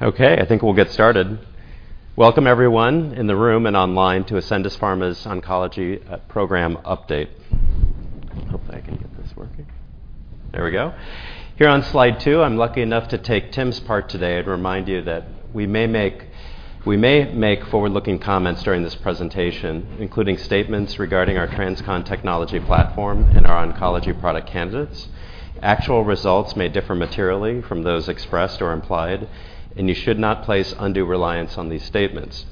Okay, I think we'll get started. Welcome everyone in the room and online to Ascendis Pharma's Oncology Program Update. Hopefully, I can get this working. There we go. Here on slide two, I'm lucky enough to take Tim's part today and remind you that we may make forward-looking comments during this presentation, including statements regarding our TransCon technology platform and our oncology product candidates. Actual results may differ materially from those expressed or implied, and you should not place undue reliance on these statements.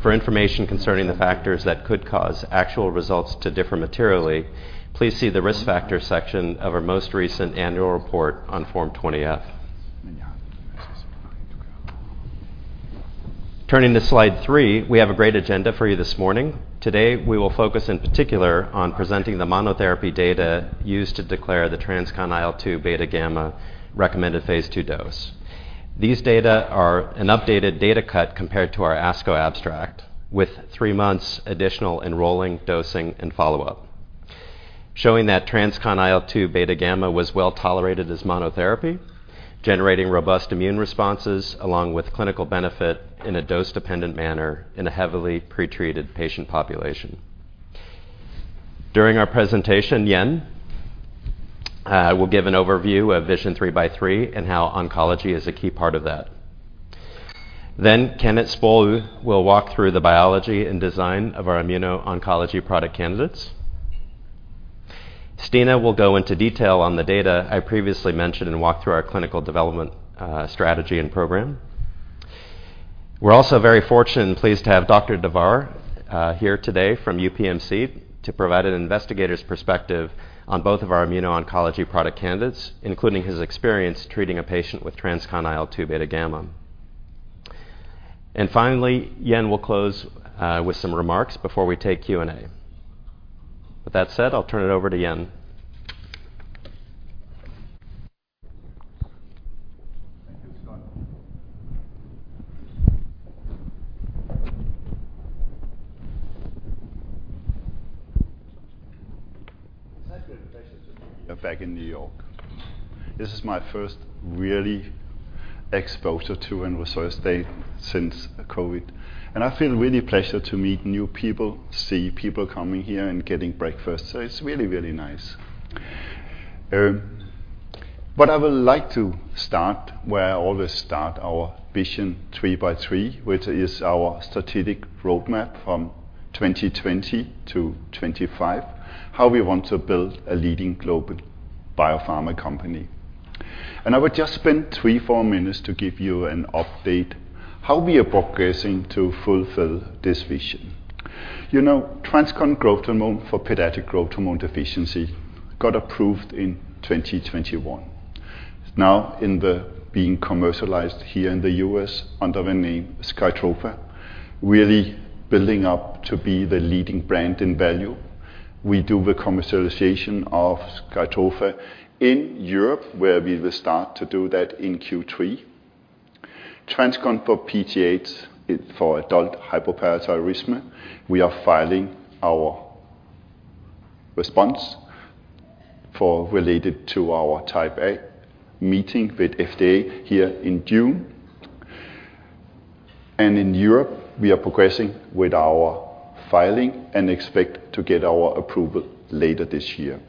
For information concerning the factors that could cause actual results to differ materially, please see the Risk Factors section of our most recent annual report on Form 20-F. Turning to slide three, we have a great agenda for you this morning. Today, we will focus in particular on presenting the monotherapy data used to declare the TransCon IL-2 β/γ recommended phase II dose. These data are an updated data cut compared to our ASCO abstract, with three months additional enrolling, dosing, and follow-up, showing that TransCon IL-2 β/γ was well-tolerated as monotherapy, generating robust immune responses along with clinical benefit in a dose-dependent manner in a heavily pretreated patient population. During our presentation, Jan will give an overview of Vision 3x3 and how oncology is a key part of that. Kenneth Sprogøe will walk through the biology and design of our immuno-oncology product candidates. Stina will go into detail on the data I previously mentioned and walk through our clinical development strategy and program. We're also very fortunate and pleased to have Dr. Devaraj, here today from UPMC, to provide an investigator's perspective on both of our immuno-oncology product candidates, including his experience treating a patient with TransCon IL-2 β/γ. Finally, Jan will close with some remarks before we take Q&A. With that said, I'll turn it over to Jan. Thank you, Scott. It's such a pleasure to be back in New York. This is my first really exposure to Investor Day since COVID, and I feel really pleasure to meet new people, see people coming here and getting breakfast, it's really, really nice. What I would like to start, where I always start, our Vision 3x3, which is our strategic roadmap from 2020 to 2025, how we want to build a leading global biopharma company. I would just spend three, four minutes to give you an update, how we are progressing to fulfill this vision. You know, TransCon Growth Hormone for pediatric growth hormone deficiency got approved in 2021. Now, in the being commercialized here in the U.S. under the name SKYTROFA, really building up to be the leading brand in value. We do the commercialization of SKYTROFA in Europe, where we will start to do that in Q3. TransCon PTH for adult hyperparathyroidism, we are filing our response related to our Type A meeting with FDA here in June. In Europe, we are progressing with our filing and expect to get our approval later this year.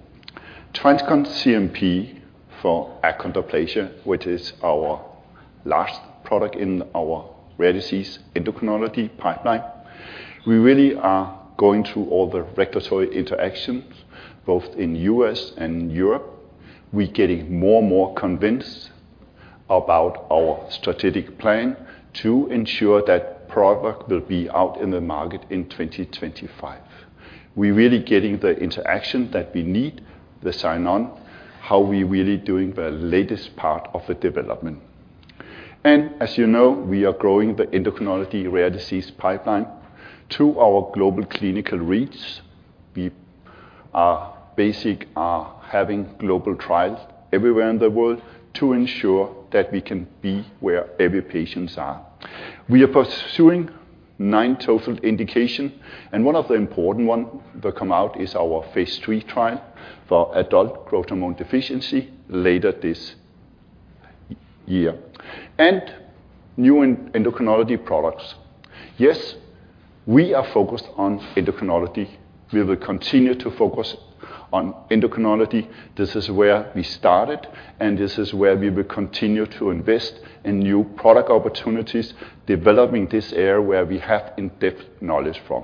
TransCon CNP for achondroplasia, which is our last product in our rare disease endocrinology pipeline, we really are going through all the regulatory interactions, both in U.S. and Europe. We're getting more and more convinced about our strategic plan to ensure that product will be out in the market in 2025. We're really getting the interaction that we need, the sign-on, how we're really doing the latest part of the development. As you know, we are growing the endocrinology rare disease pipeline to our global clinical reach. We are basic, are having global trials everywhere in the world to ensure that we can be where every patients are. We are pursuing nine total indications, one of the important one that come out is our phase three trial for adult growth hormone deficiency later this year. New endocrinology products. Yes, we are focused on endocrinology. We will continue to focus on endocrinology. This is where we started, this is where we will continue to invest in new product opportunities, developing this area where we have in-depth knowledge from.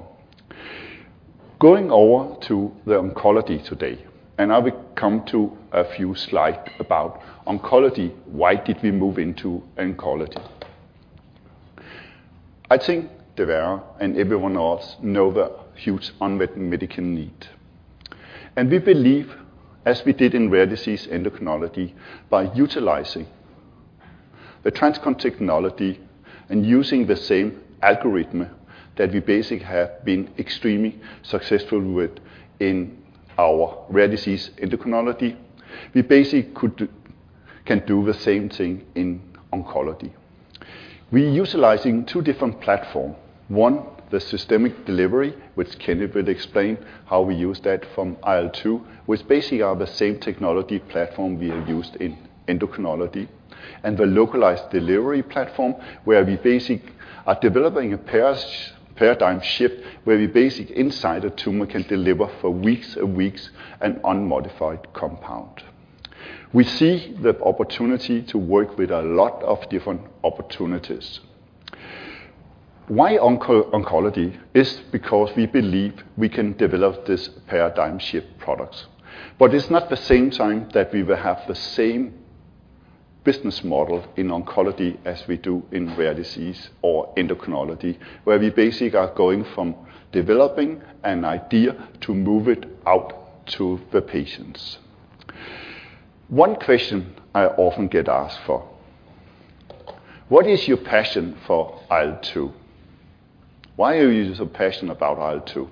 Going over to the oncology today, I will come to a few slides about oncology. Why did we move into oncology? I think Devaraj and everyone else know the huge unmet medical need. We believe, as we did in rare disease endocrinology, by utilizing the TransCon technology and using the same algorithm that we basically have been extremely successful with in our rare disease endocrinology, we basically can do the same thing in oncology. We utilizing two different platform. One, the systemic delivery, which Kenneth will explain how we use that from IL-2, which basically are the same technology platform we have used in endocrinology. The localized delivery platform, where we basic are developing a paradigm shift, where we basic inside a tumor can deliver for weeks and weeks an unmodified compound. We see the opportunity to work with a lot of different opportunities. Why oncology? Is because we believe we can develop this paradigm shift products. It's not the same time that we will have the same business model in oncology as we do in rare disease or endocrinology, where we basically are going from developing an idea to move it out to the patients. One question I often get asked for: What is your passion for IL-2? Why are you so passionate about IL-2?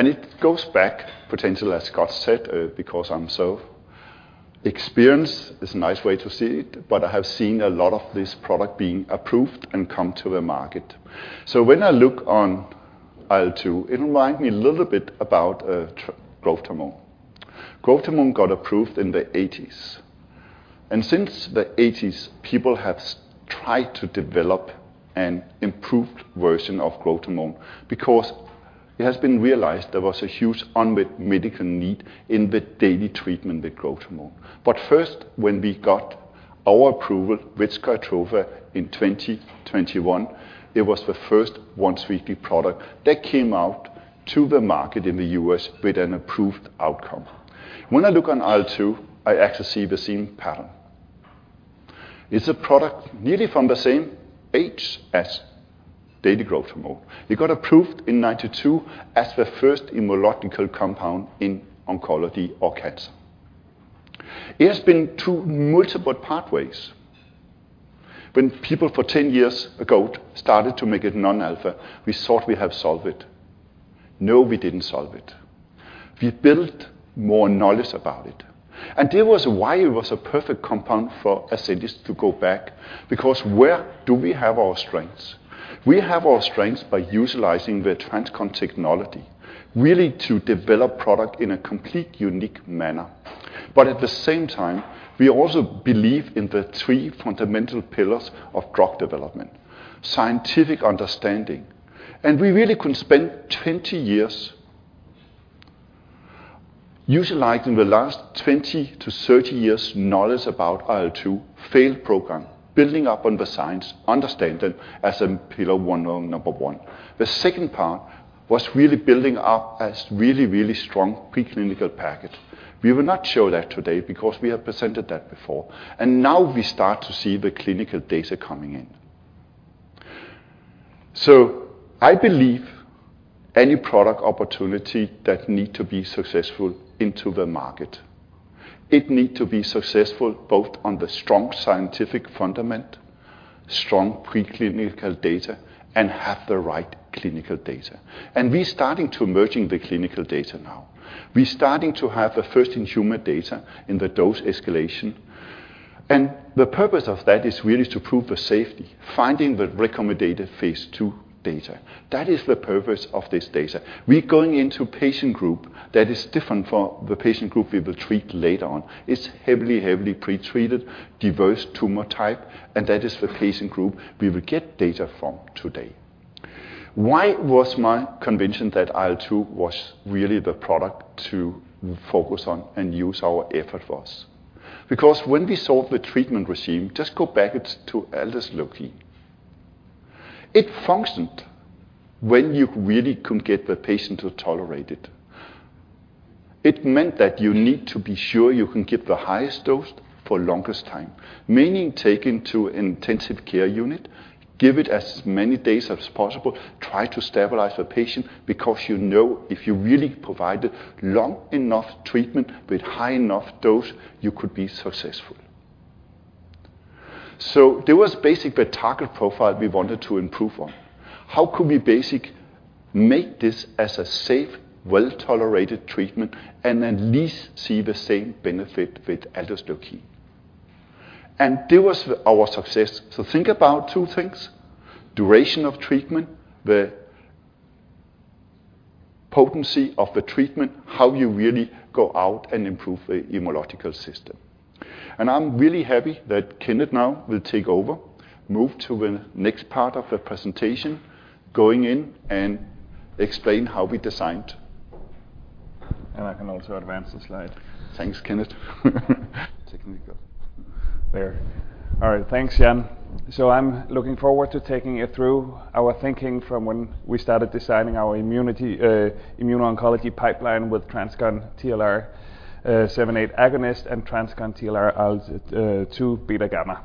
It goes back, potentially, as Scott said, because I'm so experienced, is a nice way to see it, but I have seen a lot of this product being approved and come to the market. When I look on IL-2, it remind me a little bit about growth hormone. Growth hormone got approved in the '80s. Since the '80s, people have tried to develop an improved version of growth hormone because it has been realized there was a huge unmet medical need in the daily treatment with growth hormone. First, when we got our approval with SKYTROFA in 2021, it was the first once-weekly product that came out to the market in the US with an approved outcome. When I look on IL-2, I actually see the same pattern. It's a product nearly from the same age as daily growth hormone. It got approved in 92 as the first immunological compound in oncology or cancer. It has been through multiple pathways. When people, for 10 years ago, started to make it non-alpha, we thought we have solved it. No, we didn't solve it. We built more knowledge about it, that was why it was a perfect compound for Ascendis to go back, because where do we have our strengths? We have our strengths by utilizing the TransCon technology, really to develop product in a complete unique manner. At the same time, we also believe in the three fundamental pillars of drug development, scientific understanding. We really can spend 20 years utilizing the last 20-30 years' knowledge about IL-2 failed program, building up on the science, understand it as a pillar one, number one. The second part was really building up a really, really strong preclinical package. We will not show that today because we have presented that before, now we start to see the clinical data coming in. I believe any product opportunity that need to be successful into the market, it need to be successful both on the strong scientific fundament, strong preclinical data, and have the right clinical data. We're starting to emerging the clinical data now. We're starting to have the first in-human data in the dose escalation. The purpose of that is really to prove the safety, finding the recommended phase II data. That is the purpose of this data. We're going into patient group that is different from the patient group we will treat later on. It's heavily pre-treated, diverse tumor type. That is the patient group we will get data from today. Why was my conviction that IL-2 was really the product to focus on and use our effort was? When we solve the treatment regime, just go back it to aldesleukin. It functioned when you really could get the patient to tolerate it. It meant that you need to be sure you can give the highest dose for longest time, meaning taken to intensive care unit, give it as many days as possible, try to stabilize the patient, because you know, if you really provided long enough treatment with high enough dose, you could be successful. There was basically a target profile we wanted to improve on. How could we basic make this as a safe, well-tolerated treatment, and at least see the same benefit with aldesleukin? That was our success. Think about two things: duration of treatment, the potency of the treatment, how you really go out and improve the immunological system. I'm really happy that Kenneth now will take over, move to the next part of the presentation, going in and explain how we designed. I can also advance the slide. Thanks, Kenneth. Technical. There. All right, thanks, Jan. I'm looking forward to taking you through our thinking from when we started designing our immunity, immuno-oncology pipeline with TransCon TLR7/8 Agonist and TransCon IL-2 β/γ.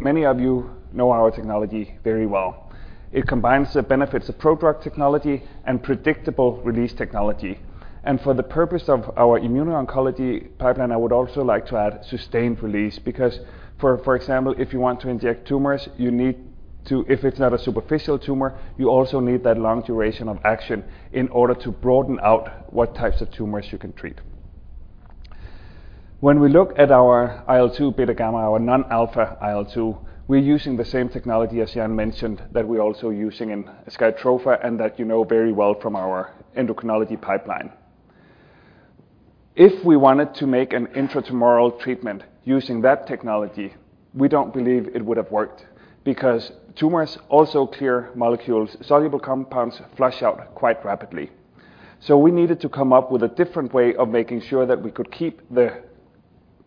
Many of you know our technology very well. It combines the benefits of prodrug technology and predictable release technology. For the purpose of our immuno-oncology pipeline, I would also like to add sustained release, because for example, if you want to inject tumors, you need to. If it's not a superficial tumor, you also need that long duration of action in order to broaden out what types of tumors you can treat. When we look at our IL-2 β/γ, our non-alpha IL-2, we're using the same technology as Jan mentioned, that we're also using in SKYTROFA, and that you know very well from our endocrinology pipeline. If we wanted to make an intratumoral treatment using that technology, we don't believe it would have worked because tumors also clear molecules, soluble compounds flush out quite rapidly. We needed to come up with a different way of making sure that we could keep the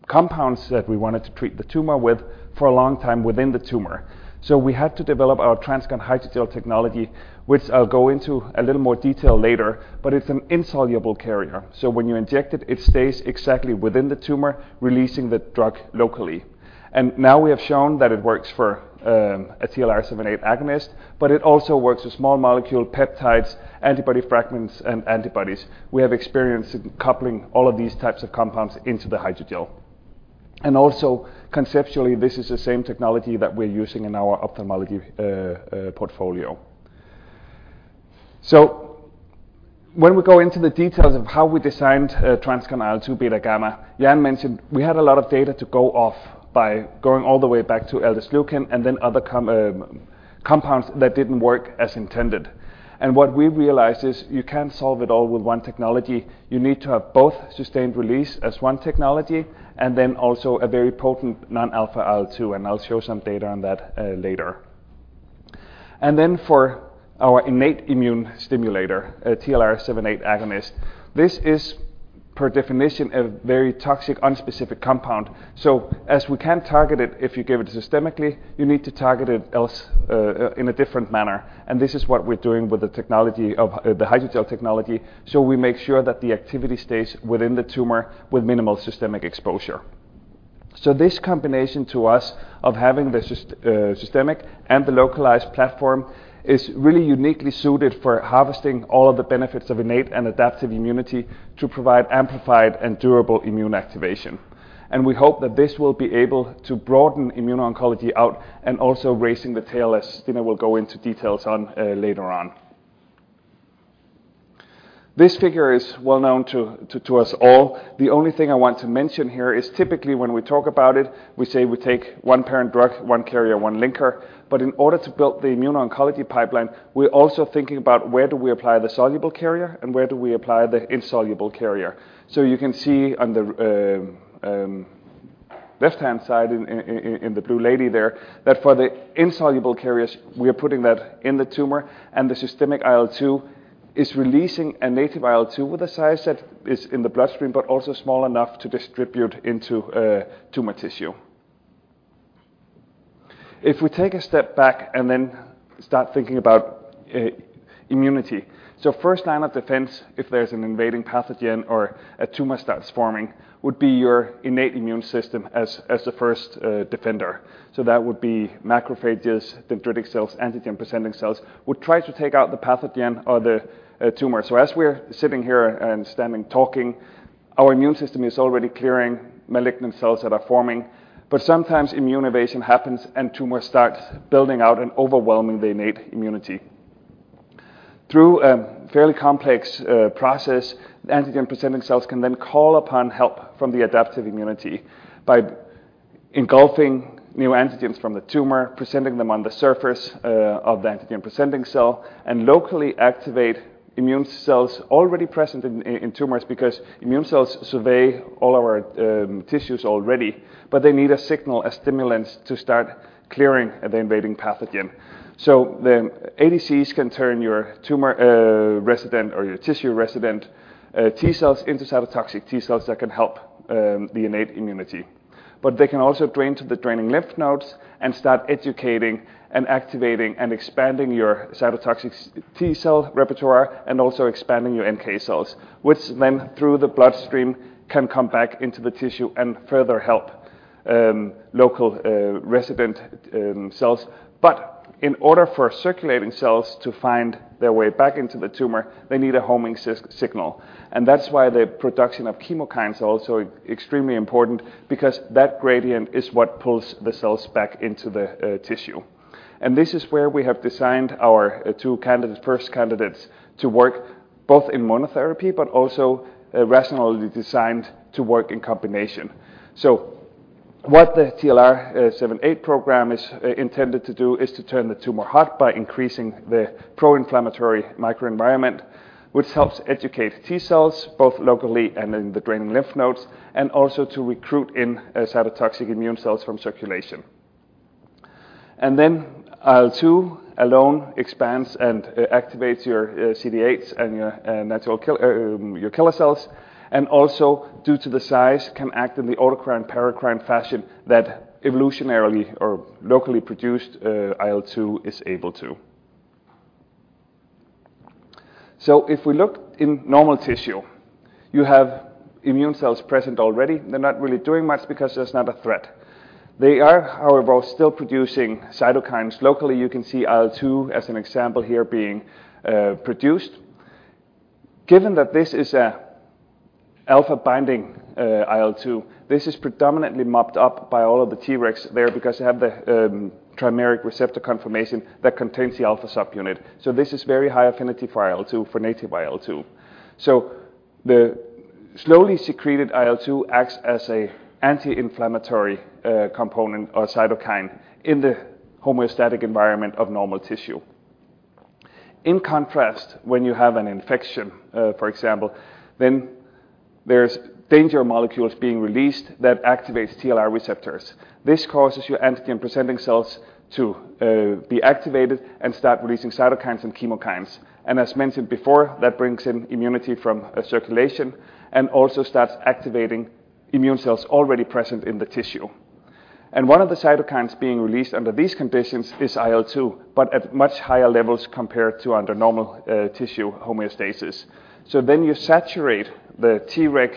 compounds that we wanted to treat the tumor with for a long time within the tumor. We had to develop our TransCon hydrogel technology, which I'll go into a little more detail later, but it's an insoluble carrier. When you inject it stays exactly within the tumor, releasing the drug locally. Now we have shown that it works for a TLR7/8 agonist, but it also works with small molecule peptides, antibody fragments, and antibodies. We have experience in coupling all of these types of compounds into the hydrogel. Conceptually, this is the same technology that we're using in our ophthalmology portfolio. When we go into the details of how we designed TransCon IL-2 β/γ, Jan mentioned we had a lot of data to go off by going all the way back to aldesleukin and then other compounds that didn't work as intended. What we realized is you can't solve it all with one technology. You need to have both sustained release as one technology and then also a very potent non-alpha IL-2, and I'll show some data on that later. For our innate immune stimulator, a TLR7/8 agonist, this is, per definition, a very toxic, unspecific compound. As we can target it, if you give it systemically, you need to target it else in a different manner. This is what we're doing with the technology of the Hydrogel technology. We make sure that the activity stays within the tumor with minimal systemic exposure. This combination to us of having the systemic and the localized platform is really uniquely suited for harvesting all of the benefits of innate and adaptive immunity to provide amplified and durable immune activation. We hope that this will be able to broaden immuno-oncology out, and also raising the tail, as Stina will go into details on later on. This figure is well known to us all. The only thing I want to mention here is typically when we talk about it, we say we take one parent drug, one carrier, one linker. In order to build the immuno-oncology pipeline, we're also thinking about where do we apply the soluble carrier and where do we apply the insoluble carrier? You can see on the left-hand side in the blue lady there, that for the insoluble carriers, we are putting that in the tumor, and the systemic IL-2 is releasing a native IL-2 with a size that is in the bloodstream, but also small enough to distribute into tumor tissue. If we take a step back and then start thinking about immunity. First line of defense, if there's an invading pathogen or a tumor starts forming, would be your innate immune system as the first defender. That would be macrophages, dendritic cells, antigen-presenting cells, would try to take out the pathogen or the tumor. As we're sitting here and standing talking, our immune system is already clearing malignant cells that are forming, but sometimes immune evasion happens, and tumor starts building out and overwhelming the innate immunity. Through a fairly complex process, the antigen-presenting cells can then call upon help from the adaptive immunity by engulfing new antigens from the tumor, presenting them on the surface of the antigen-presenting cell, and locally activate immune cells already present in tumors, because immune cells survey all our tissues already, but they need a signal, a stimulant, to start clearing the invading pathogen. The ADCs can turn your tumor resident or your tissue resident T cells into cytotoxic T cells that can help the innate immunity. They can also drain to the draining lymph nodes and start educating and activating and expanding your cytotoxic T cell repertoire and also expanding your NK cells, which then, through the bloodstream, can come back into the tissue and further help local resident cells. In order for circulating cells to find their way back into the tumor, they need a homing signal, and that's why the production of chemokines are also extremely important because that gradient is what pulls the cells back into the tissue. This is where we have designed our two candidates, first candidates to work both in monotherapy, but also rationally designed to work in combination. What the TLR7/8 program is intended to do is to turn the tumor hot by increasing the pro-inflammatory microenvironment, which helps educate T cells, both locally and in the draining lymph nodes, and also to recruit in cytotoxic immune cells from circulation. IL-2 alone expands and activates your CD8s and your, and natural killer, your killer cells, and also, due to the size, can act in the autocrine and paracrine fashion that evolutionarily or locally produced IL-2 is able to. If we look in normal tissue, you have immune cells present already. They're not really doing much because there's not a threat. They are, however, still producing cytokines. Locally, you can see IL-2 as an example here being produced. Given that this is a alpha binding IL-2, this is predominantly mopped up by all of the Tregs there because they have the trimeric receptor conformation that contains the alpha subunit. This is very high affinity for IL-2, for native IL-2. Slowly secreted IL-2 acts as a anti-inflammatory component or cytokine in the homeostatic environment of normal tissue. In contrast, when you have an infection, for example, then there's danger molecules being released that activates TLR receptors. This causes your antigen-presenting cells to be activated and start releasing cytokines and chemokines. As mentioned before, that brings in immunity from circulation and also starts activating immune cells already present in the tissue. One of the cytokines being released under these conditions is IL-2, but at much higher levels compared to under normal tissue homeostasis. you saturate the TReg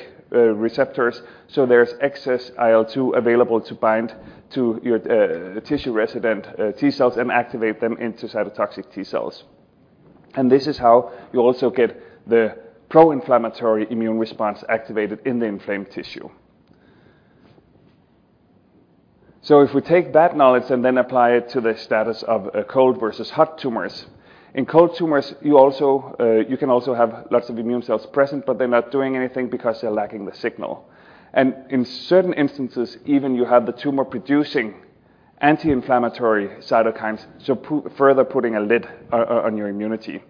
receptors, there's excess IL-2 available to bind to your tissue resident T cells and activate them into cytotoxic T cells. This is how you also get the pro-inflammatory immune response activated in the inflamed tissue. If we take that knowledge and then apply it to the status of cold versus hot tumors, in cold tumors, you can also have lots of immune cells present, but they're not doing anything because they're lacking the signal. In certain instances, even you have the tumor producing anti-inflammatory cytokines, further putting a lid on your immunity.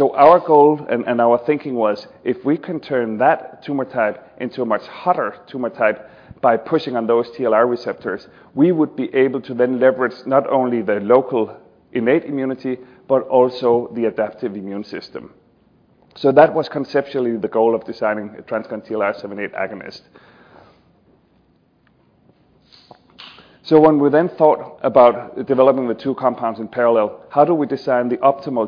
Our goal and our thinking was, if we can turn that tumor type into a much hotter tumor type by pushing on those TLR receptors, we would be able to then leverage not only the local innate immunity, but also the adaptive immune system. That was conceptually the goal of designing a TransCon TLR7/8 Agonist. When we then thought about developing the two compounds in parallel, how do we design the optimal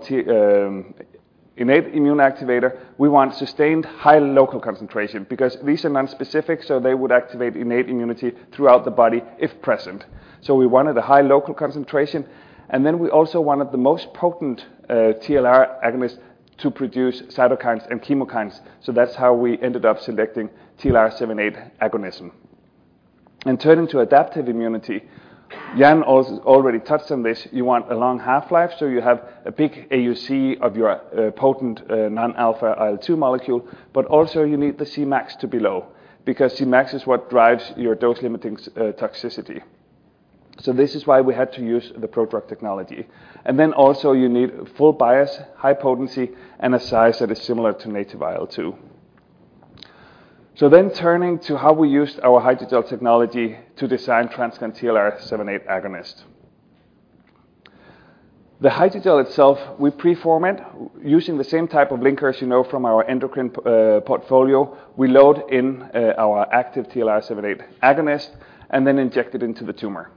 innate immune activator? We want sustained high local concentration because these are non-specific, so they would activate innate immunity throughout the body if present. We wanted a high local concentration, and then we also wanted the most potent TLR agonist to produce cytokines and chemokines. That's how we ended up selecting TLR7/8 agonism. Turning to adaptive immunity, Jan already touched on this. You want a long half-life, so you have a big AUC of your potent non-alpha IL-2 molecule, but also you need the Cmax to be low because Cmax is what drives your dose-limiting toxicity. This is why we had to use the prodrug technology. Also you need full bias, high potency, and a size that is similar to native IL-2. Turning to how we used our TransCon hydrogel technology to design TransCon TLR7/8 Agonist. The TransCon hydrogel itself, we pre-form it using the same type of linkers you know from our endocrine portfolio. We load in our active TLR7/8 Agonist and then inject it into the tumor.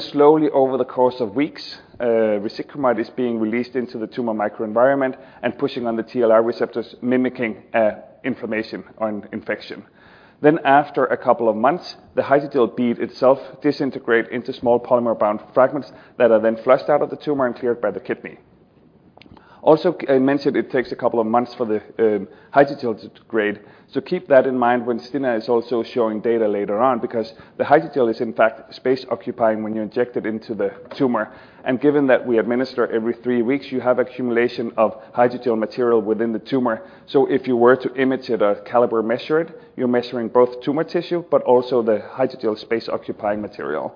Slowly, over the course of weeks, resiquimod is being released into the tumor microenvironment and pushing on the TLR receptors, mimicking inflammation on infection. After a couple of months, the Hydrogel bead itself disintegrate into small polymer-bound fragments that are then flushed out of the tumor and cleared by the kidney. I mentioned it takes a couple of months for the Hydrogel to degrade, keep that in mind when Stina is also showing data later on, because the Hydrogel is, in fact, space-occupying when you inject it into the tumor. Given that we administer every three weeks, you have accumulation of Hydrogel material within the tumor. If you were to image it or caliber measure it, you're measuring both tumor tissue, but also the Hydrogel space-occupying material.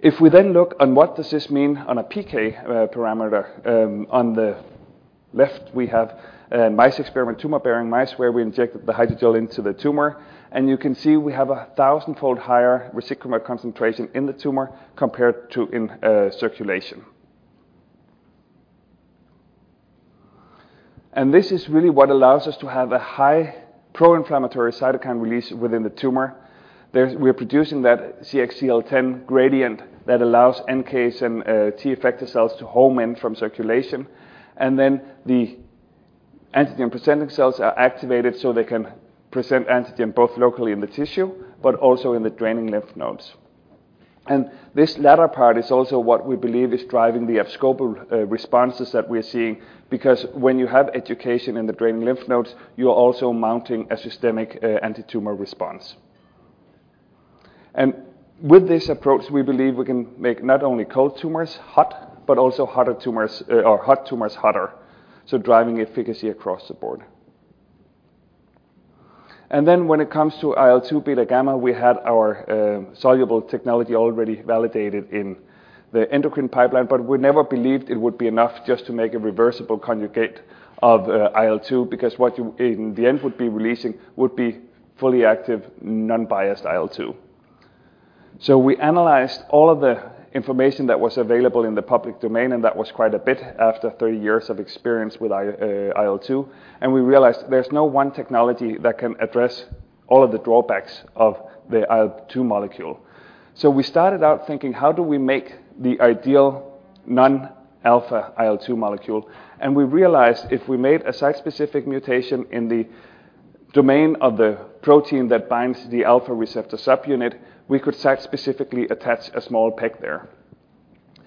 If we then look on what does this mean on a PK parameter, on the left, we have a mice experiment, tumor-bearing mice, where we injected the Hydrogel into the tumor, and you can see we have a 1,000-fold higher resiquimod concentration in the tumor compared to in circulation. This is really what allows us to have a high pro-inflammatory cytokine release within the tumor. We are producing that CXCL10 gradient that allows NKS and T effector cells to home in from circulation, and then the antigen-presenting cells are activated, so they can present antigen both locally in the tissue but also in the draining lymph nodes. This latter part is also what we believe is driving the abscopal responses that we're seeing, because when you have education in the draining lymph nodes, you are also mounting a systemic antitumor response. With this approach, we believe we can make not only cold tumors hot, but also hotter tumors or hot tumors hotter, so driving efficacy across the board. When it comes to IL-2 β/γ, we had our soluble technology already validated in the endocrine pipeline, but we never believed it would be enough just to make a reversible conjugate of IL-2, because what you in the end would be releasing would be fully active, non-biased IL-2. We analyzed all of the information that was available in the public domain, and that was quite a bit after 30 years of experience with IL-2. We realized there's no one technology that can address all of the drawbacks of the IL-2 molecule. We started out thinking, how do we make the ideal non-alpha IL-2 molecule? We realized if we made a site-specific mutation in the domain of the protein that binds the alpha receptor subunit, we could site-specifically attach a small PEG there.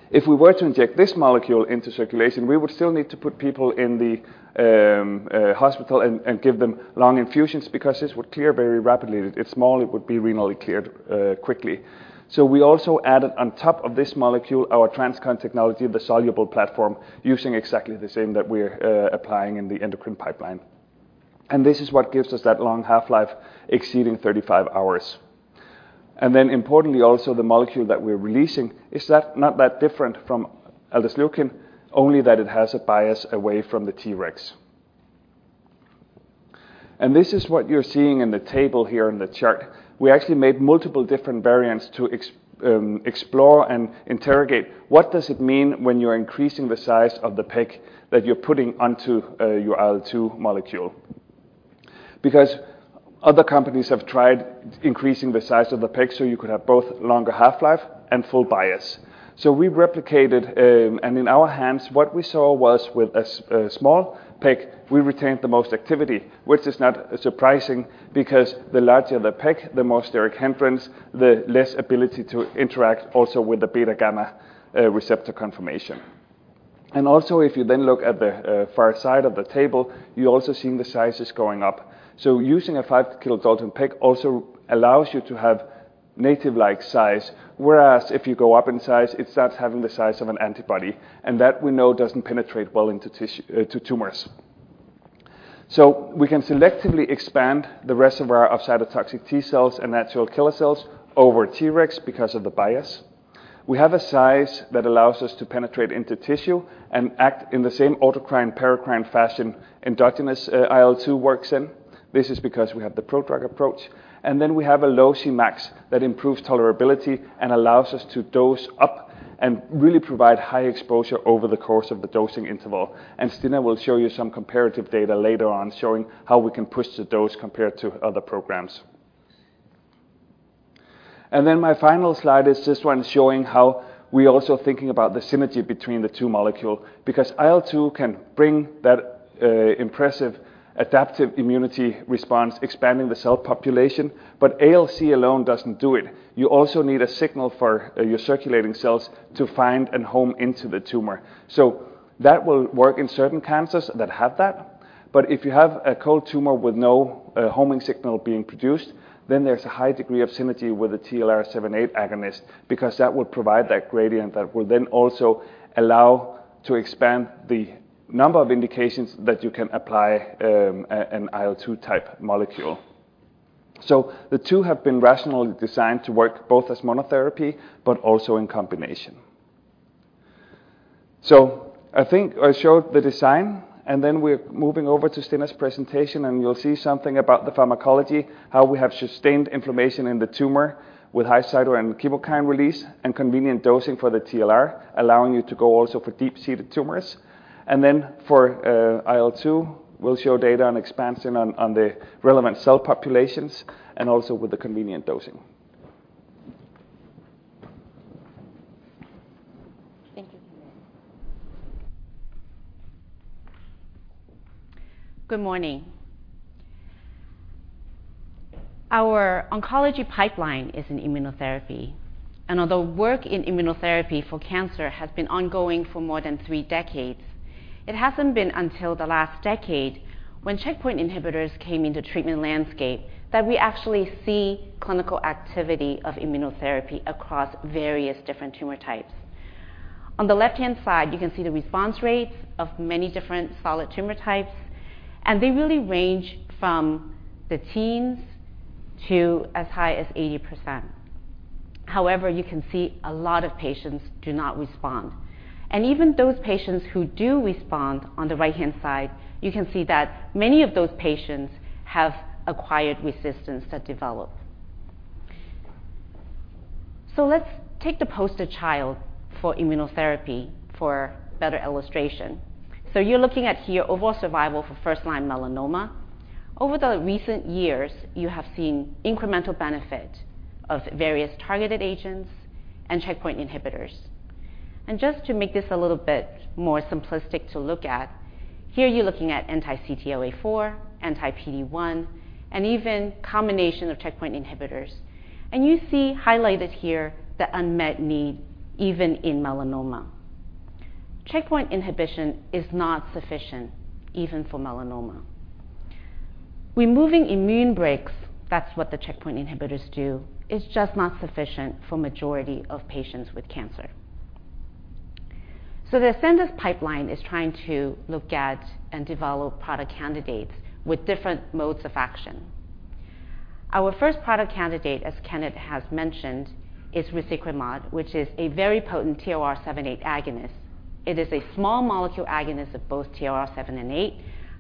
If we were to inject this molecule into circulation, we would still need to put people in the hospital and give them long infusions because this would clear very rapidly. It's small, it would be renally cleared quickly. We also added on top of this molecule, our TransCon technology, the soluble platform, using exactly the same that we're applying in the endocrine pipeline. This is what gives us that long half-life exceeding 35 hours. Importantly, also, the molecule that we're releasing is that not that different from aldesleukin, only that it has a bias away from the Tregs. This is what you're seeing in the table here in the chart. We actually made multiple different variants to explore and interrogate. What does it mean when you're increasing the size of the PEG that you're putting onto your IL-2 molecule? Because other companies have tried increasing the size of the PEG, so you could have both longer half-life and full bias. We replicated, and in our hands, what we saw was with a small PEG, we retained the most activity, which is not surprising because the larger the PEG, the more steric hindrance, the less ability to interact also with the beta gamma receptor conformation. Also, if you then look at the far side of the table, you're also seeing the sizes going up. Using a 5 kiloDalton PEG also allows you to have native-like size, whereas if you go up in size, it starts having the size of an antibody, and that we know doesn't penetrate well into tumors. We can selectively expand the reservoir of cytotoxic T cells and natural killer cells over Tregs because of the bias. We have a size that allows us to penetrate into tissue and act in the same autocrine and paracrine fashion, endogenous IL-2 works in. This is because we have the prodrug approach, and then we have a low Cmax that improves tolerability and allows us to dose up and really provide high exposure over the course of the dosing interval. Stina will show you some comparative data later on, showing how we can push the dose compared to other programs. My final slide is just one showing how we're also thinking about the synergy between the two molecule, because IL-2 can bring that impressive adaptive immunity response, expanding the cell population, but ALC alone doesn't do it. You also need a signal for your circulating cells to find and home into the tumor. That will work in certain cancers that have that. If you have a cold tumor with no homing signal being produced, then there's a high degree of synergy with the TLR7/8 agonist, because that would provide that gradient that will then also allow to expand the number of indications that you can apply an IL-2 type molecule. The two have been rationally designed to work both as monotherapy but also in combination. I think I showed the design, then we're moving over to Stina's presentation, and you'll see something about the pharmacology, how we have sustained inflammation in the tumor with high cytokine and chemokine release, and convenient dosing for the TLR, allowing you to go also for deep-seated tumors. Then for IL-2, we'll show data on expansion on the relevant cell populations and also with the convenient dosing. Thank you. Good morning. Our oncology pipeline is an immunotherapy, although work in immunotherapy for cancer has been ongoing for more than three decades, it hasn't been until the last decade when checkpoint inhibitors came into treatment landscape, that we actually see clinical activity of immunotherapy across various different tumor types. On the left-hand side, you can see the response rates of many different solid tumor types, they really range from the teens to as high as 80%. However, you can see a lot of patients do not respond. Even those patients who do respond, on the right-hand side, you can see that many of those patients have acquired resistance that develop. Let's take the poster child for immunotherapy for better illustration. You're looking at here, overall survival for first-line melanoma. Over the recent years, you have seen incremental benefit of various targeted agents and checkpoint inhibitors. Just to make this a little bit more simplistic to look at, here you're looking at anti-CTLA-4, anti-PD-1, and even combination of checkpoint inhibitors. You see highlighted here the unmet need, even in melanoma. Checkpoint inhibition is not sufficient, even for melanoma. Removing immune breaks, that's what the checkpoint inhibitors do, is just not sufficient for majority of patients with cancer. The Ascendis pipeline is trying to look at and develop product candidates with different modes of action. Our first product candidate, as Kenneth has mentioned, is resiquimod, which is a very potent TLR7/8 agonist. It is a small molecule agonist of both TLR7 and eight.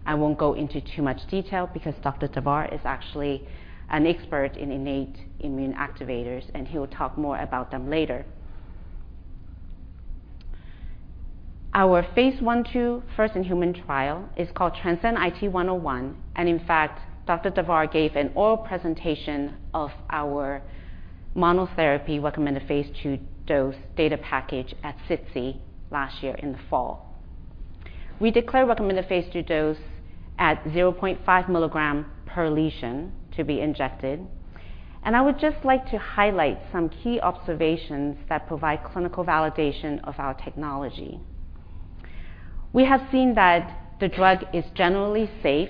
I won't go into too much detail because. Dr. Davar is actually an expert in innate immune activators. He will talk more about them later. Our phase I/II first-in-human trial is called transcendIT-101. In fact, Dr. Davar gave an oral presentation of our monotherapy recommended phase II dose data package at SITC last year in the fall. We declare recommended phase II dose at 0.5 milligram per lesion to be injected. I would just like to highlight some key observations that provide clinical validation of our technology. We have seen that the drug is generally safe.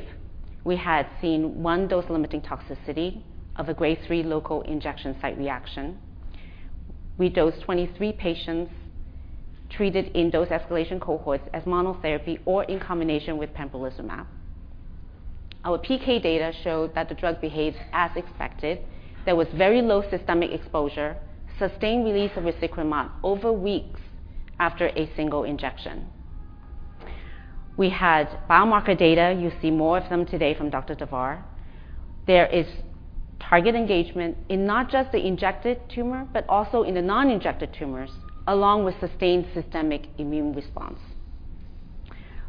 We had seen one dose-limiting toxicity of a grade three local injection site reaction. We dosed 23 patients treated in dose escalation cohorts as monotherapy or in combination with pembrolizumab. Our PK data showed that the drug behaves as expected. There was very low systemic exposure, sustained release of resiquimod over weeks after a single injection. We had biomarker data. You'll see more of them today from Dr. Davar. There is target engagement in not just the injected tumor, but also in the non-injected tumors, along with sustained systemic immune response.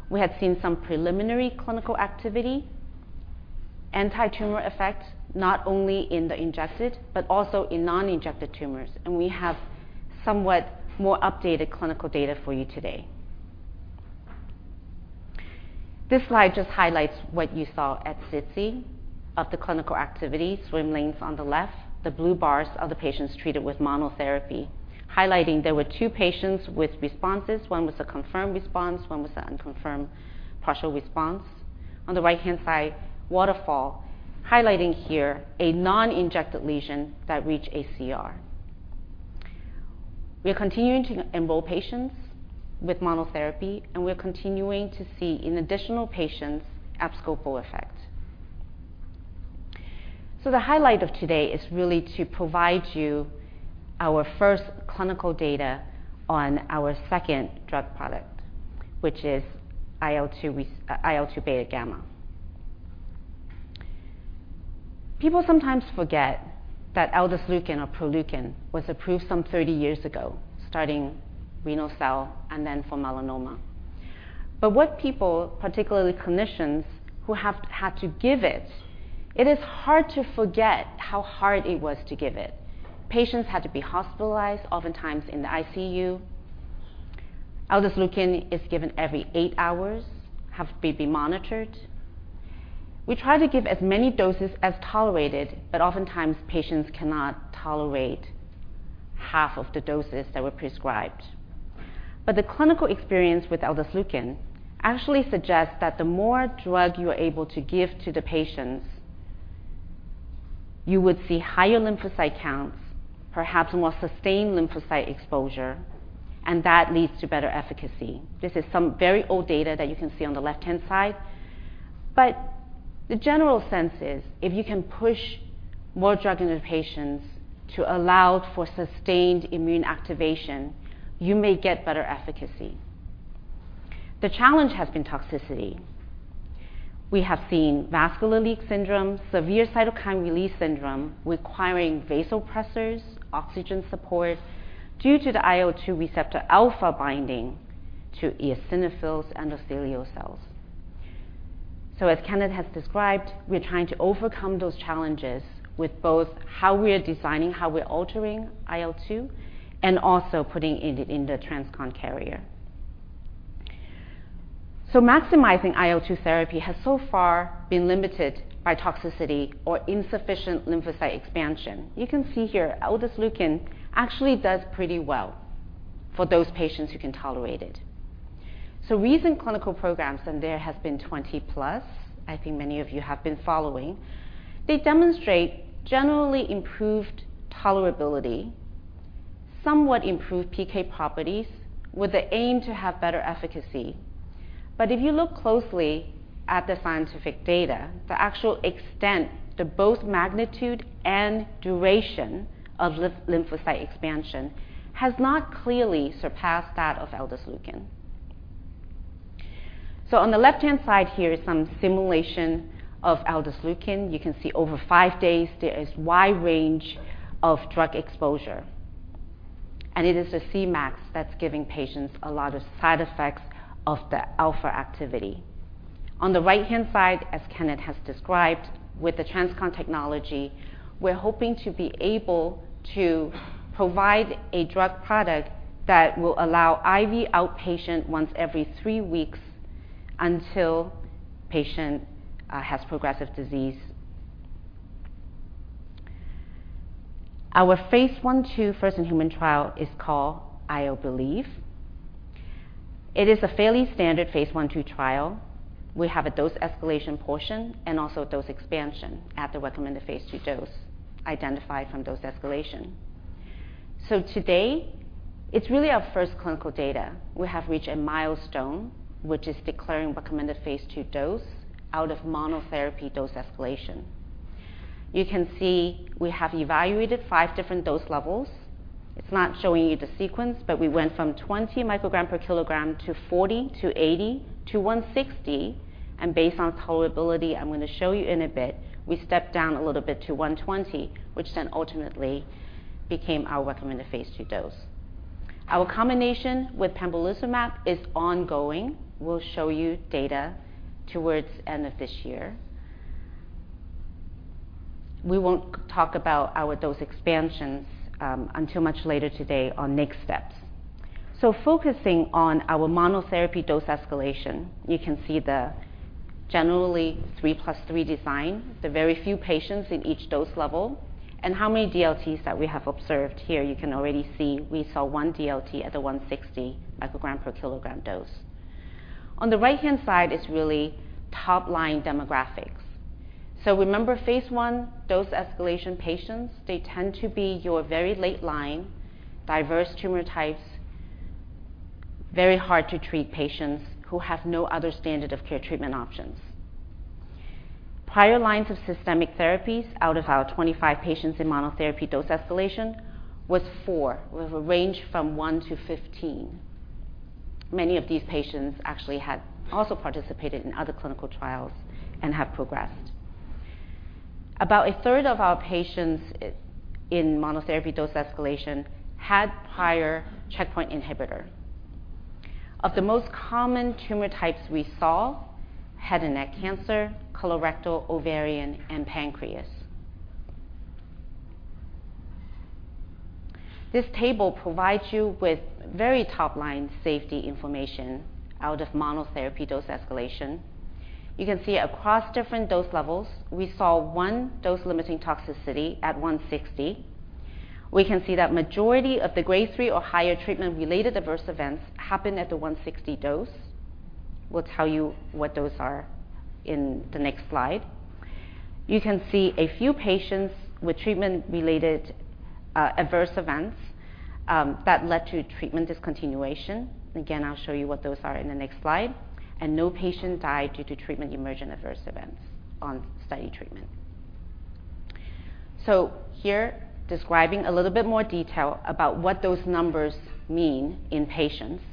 We had seen some preliminary clinical activity, anti-tumor effect, not only in the injected, but also in non-injected tumors, and we have somewhat more updated clinical data for you today. This slide just highlights what you saw at SITC of the clinical activity, swim lanes on the left, the blue bars are the patients treated with monotherapy, highlighting there were two patients with responses. one was a confirmed response, 1 was an unconfirmed partial response. On the right-hand side, waterfall, highlighting here a non-injected lesion that reached ACR. We are continuing to enroll patients with monotherapy, and we are continuing to see in additional patients abscopal effect. The highlight of today is really to provide you our first clinical data on our second drug product, which is IL-2 beta gamma. People sometimes forget that Aldesleukin or Proleukin was approved some 30 years ago, starting renal cell and then for melanoma. What people, particularly clinicians who have had to give it is hard to forget how hard it was to give it. Patients had to be hospitalized, oftentimes in the ICU. Aldesleukin is given every eight hours, have to be monitored. We try to give as many doses as tolerated, but oftentimes patients cannot tolerate half of the doses that were prescribed. The clinical experience with Aldesleukin actually suggests that the more drug you are able to give to the patients, you would see higher lymphocyte counts, perhaps more sustained lymphocyte exposure, and that leads to better efficacy. This is some very old data that you can see on the left-hand side. The general sense is, if you can push more drug into patients to allow for sustained immune activation, you may get better efficacy. The challenge has been toxicity. We have seen vascular leak syndrome, severe cytokine release syndrome, requiring vasopressors, oxygen support due to the IL-2 receptor alpha binding to eosinophils and endothelial cells. As Kenneth has described, we are trying to overcome those challenges with both how we are designing, how we're altering IL-2, and also putting it in the TransCon carrier. Maximizing IL-2 therapy has so far been limited by toxicity or insufficient lymphocyte expansion. You can see here, aldesleukin actually does pretty well for those patients who can tolerate it. Recent clinical programs, and there has been 20-plus, I think many of you have been following, they demonstrate generally improved tolerability, somewhat improved PK properties, with the aim to have better efficacy. If you look closely at the scientific data, the actual extent, the both magnitude and duration of lymphocyte expansion has not clearly surpassed that of aldesleukin. On the left-hand side here is some simulation of aldesleukin. You can see over five days, there is wide range of drug exposure, and it is the Cmax that's giving patients a lot of side effects of the alpha activity. On the right-hand side, as Kenneth has described, with the TransCon technology, we're hoping to be able to provide a drug product that will allow IV outpatient once every three weeks until patient has progressive disease. Our phase I/II first-in-human trial is called IL-Believe. It is a fairly standard phase I/II trial. We have a dose escalation portion and also a dose expansion at the recommended phase II dose, identified from dose escalation. Today, it's really our first clinical data. We have reached a milestone, which is declaring recommended phase II dose out of monotherapy dose escalation. You can see we have evaluated five different dose levels. It's not showing you the sequence, we went from 20 microgram per kilogram to 40 to 80 to 160. Based on tolerability, I'm going to show you in a bit, we stepped down a little bit to 120, which ultimately became our recommended phase II dose. Our combination with pembrolizumab is ongoing. We'll show you data towards end of this year. We won't talk about our dose expansions until much later today on next steps. Focusing on our monotherapy dose escalation, you can see generally 3+3 design. Very few patients in each dose level. How many DLTs that we have observed here, you can already see we saw one DLT at the 160 microgram per kilogram dose. On the right-hand side is really top-line demographics. Remember, phase I dose escalation patients, they tend to be your very late line, diverse tumor types, very hard to treat patients who have no other standard of care treatment options. Prior lines of systemic therapies out of our 25 patients in monotherapy dose escalation was four. We have a range from one-15. Many of these patients actually had also participated in other clinical trials and have progressed. About a third of our patients in monotherapy dose escalation had prior checkpoint inhibitor. Of the most common tumor types we saw, head and neck cancer, colorectal, ovarian, and pancreas. This table provides you with very top-line safety information out of monotherapy dose escalation. Across different dose levels, we saw one dose-limiting toxicity at 160. Can see that majority of the grade three or higher treatment-related adverse events happened at the 160 dose. Tell you what those are in the next slide. Can see a few patients with treatment-related adverse events that led to treatment discontinuation. Again, I'll show you what those are in the next slide. No patient died due to treatment-emergent adverse events on study treatment. Here, describing a little bit more detail about what those numbers mean in patients.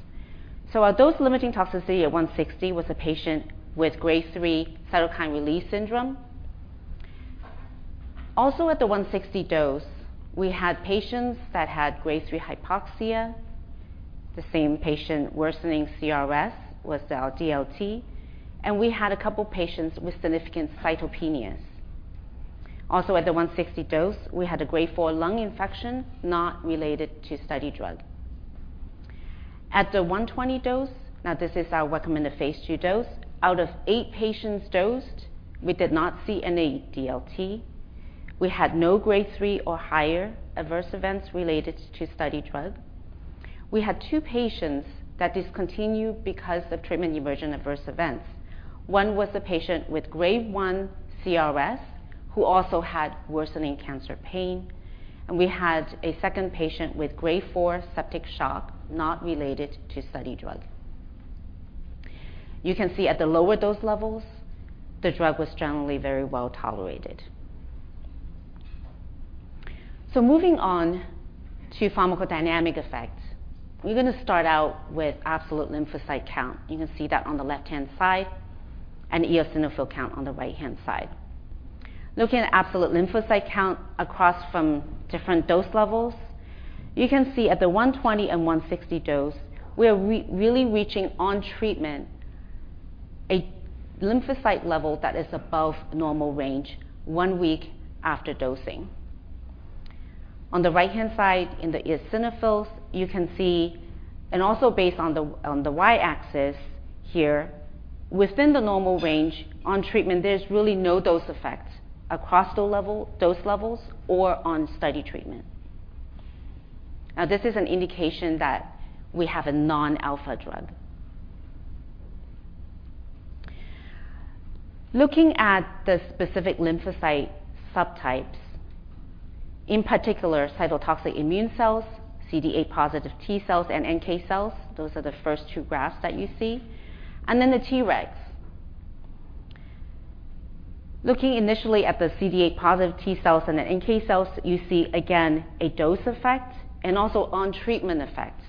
Our dose-limiting toxicity at 160 was a patient with grade three cytokine release syndrome. At the 160 dose, we had patients that had grade three hypoxia, the same patient worsening CRS was our DLT, and we had a couple patients with significant cytopenias. At the 160 dose, we had a grade four lung infection not related to study drug. At the 120 dose, now, this is our recommended phase II dose. Out of eight patients dosed, we did not see any DLT. We had no grade three or higher adverse events related to study drug. We had two patients that discontinued because of treatment-emergent adverse events. One was a patient with grade one CRS, who also had worsening cancer pain, and we had a second patient with grade four septic shock, not related to study drug. You can see at the lower dose levels, the drug was generally very well tolerated. Moving on to pharmacodynamic effects, we're going to start out with absolute lymphocyte count. You can see that on the left-hand side and eosinophil count on the right-hand side. Looking at absolute lymphocyte count across from different dose levels, you can see at the 120 and 160 dose, we are really reaching on treatment, a lymphocyte level that is above normal range one week after dosing. On the right-hand side, in the eosinophils, and also based on the Y-axis here, within the normal range on treatment, there's really no dose effect across dose levels or on study treatment. This is an indication that we have a non-alpha drug. Looking at the specific lymphocyte subtypes, in particular, cytotoxic immune cells, CD8 positive T cells, and NK cells, those are the first two graphs that you see, and then the Tregs. Looking initially at the CD8 positive T cells and the NK cells, you see, again, a dose effect and also on treatment effect.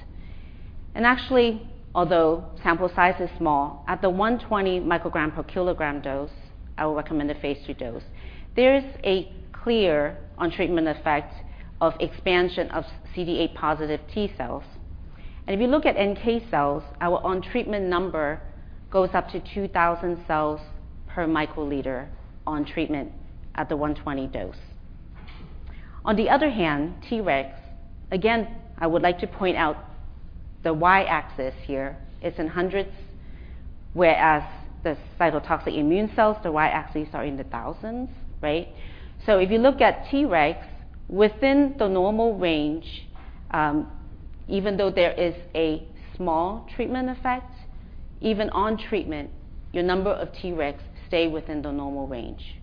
Actually, although sample size is small, at the 120 microgram per kilogram dose, our recommended phase II dose, there is a clear on treatment effect of expansion of CD8 positive T cells. If you look at NK cells, our on treatment number goes up to 2,000 cells per microliter on treatment at the 120 dose. On the other hand, Tregs, again, I would like to point out the Y-axis here is in hundreds, whereas the cytotoxic immune cells, the Y-axes are in the thousands, right? If you look at Tregs, within the normal range, even though there is a small treatment effect, even on treatment, your number of Tregs stay within the normal range.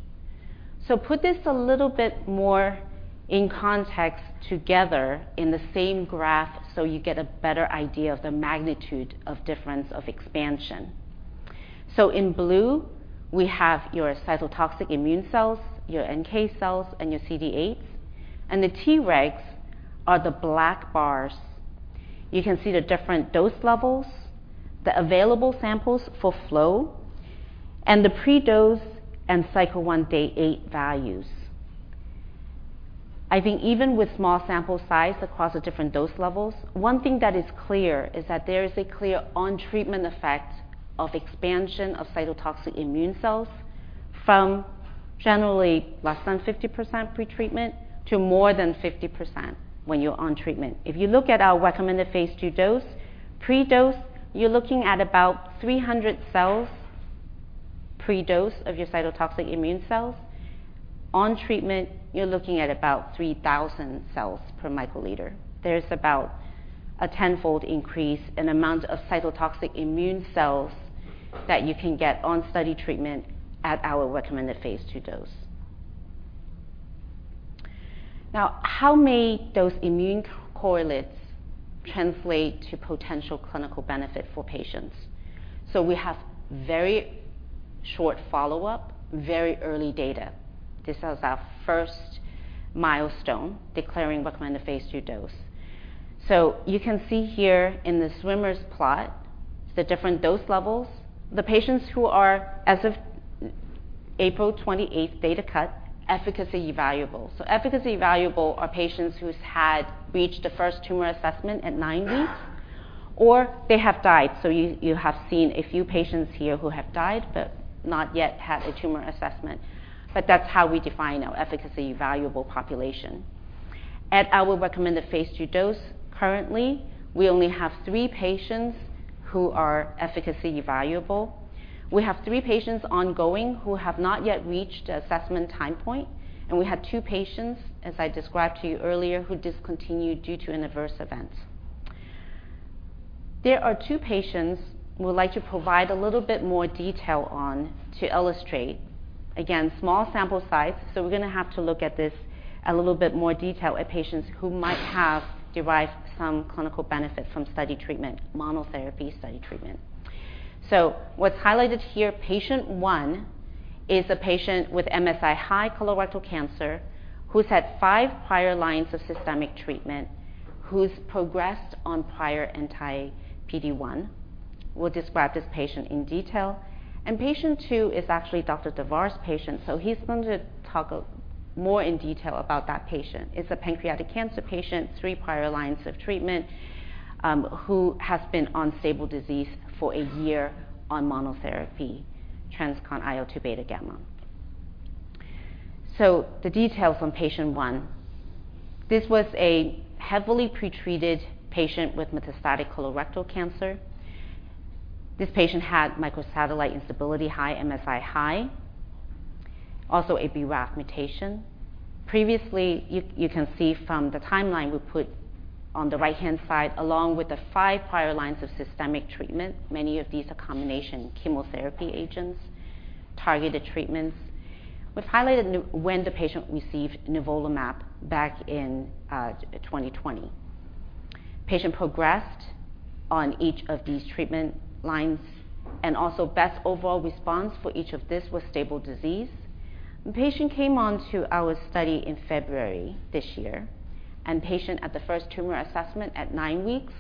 Put this a little bit more in context together in the same graph, so you get a better idea of the magnitude of difference of expansion. In blue, we have your cytotoxic immune cells, your NK cells, and your CD8s, and the Tregs are the black bars. You can see the different dose levels, the available samples for flow, and the pre-dose and cycle one, day eight values. I think even with small sample size across the different dose levels, one thing that is clear is that there is a clear on treatment effect of expansion of cytotoxic immune cells from generally less than 50% pretreatment to more than 50% when you're on treatment. You look at our recommended phase II dose, pre-dose, you're looking at about 300 cells pre-dose of your cytotoxic immune cells. On treatment, you're looking at about 3,000 cells per microliter. There's about a 10-fold increase in amount of cytotoxic immune cells that you can get on study treatment at our recommended phase II dose. How may those immune correlates translate to potential clinical benefit for patients? We have very short follow-up, very early data. This was our first milestone, declaring recommended phase II dose. You can see here in the swimmer's plot, the different dose levels. The patients who are, as of April 28th data cut, efficacy evaluable. Efficacy evaluable are patients whose had reached the first tumor assessment at nine weeks, or they have died. You have seen a few patients here who have died, but not yet had a tumor assessment. That's how we define our efficacy evaluable population. At our recommended phase II dose, currently, we only have three patients who are efficacy evaluable. We have three patients ongoing who have not yet reached the assessment time point, and we have two patients, as I described to you earlier, who discontinued due to an adverse event. There are two patients we would like to provide a little bit more detail on to illustrate. Again, small sample size, we're gonna have to look at this a little bit more detail at patients who might have derived some clinical benefit from study treatment, monotherapy study treatment. What's highlighted here, patient one is a patient with MSI high colorectal cancer, who's had five prior lines of systemic treatment, who's progressed on prior anti-PD-1. We'll describe this patient in detail. Patient three is actually Dr. Davar's patient, so he's going to talk more in detail about that patient. It's a pancreatic cancer patient, three prior lines of treatment, who has been on stable disease for a year on monotherapy, TransCon IL-2 β/γ. The details on patient one. This was a heavily pretreated patient with metastatic colorectal cancer. This patient had microsatellite instability, high MSI-H, also a BRAF mutation. Previously, you can see from the timeline we put on the right-hand side, along with the five prior lines of systemic treatment, many of these are combination chemotherapy agents, targeted treatments. We've highlighted when the patient received nivolumab back in 2020. Patient progressed on each of these treatment lines. Also, best overall response for each of this was stable disease. The patient came on to our study in February this year. Patient at the first tumor assessment at nine weeks,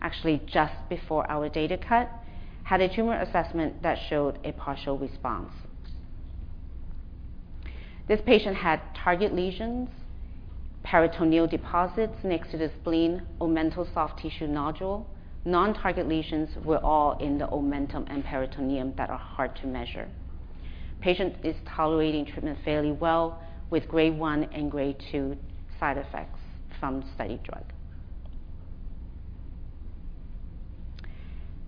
actually, just before our data cut, had a tumor assessment that showed a partial response. This patient had target lesions, peritoneal deposits next to the spleen, omental soft tissue nodule. Non-target lesions were all in the omentum and peritoneum that are hard to measure. Patient is tolerating treatment fairly well with Grade one and Grade two side effects from study drug.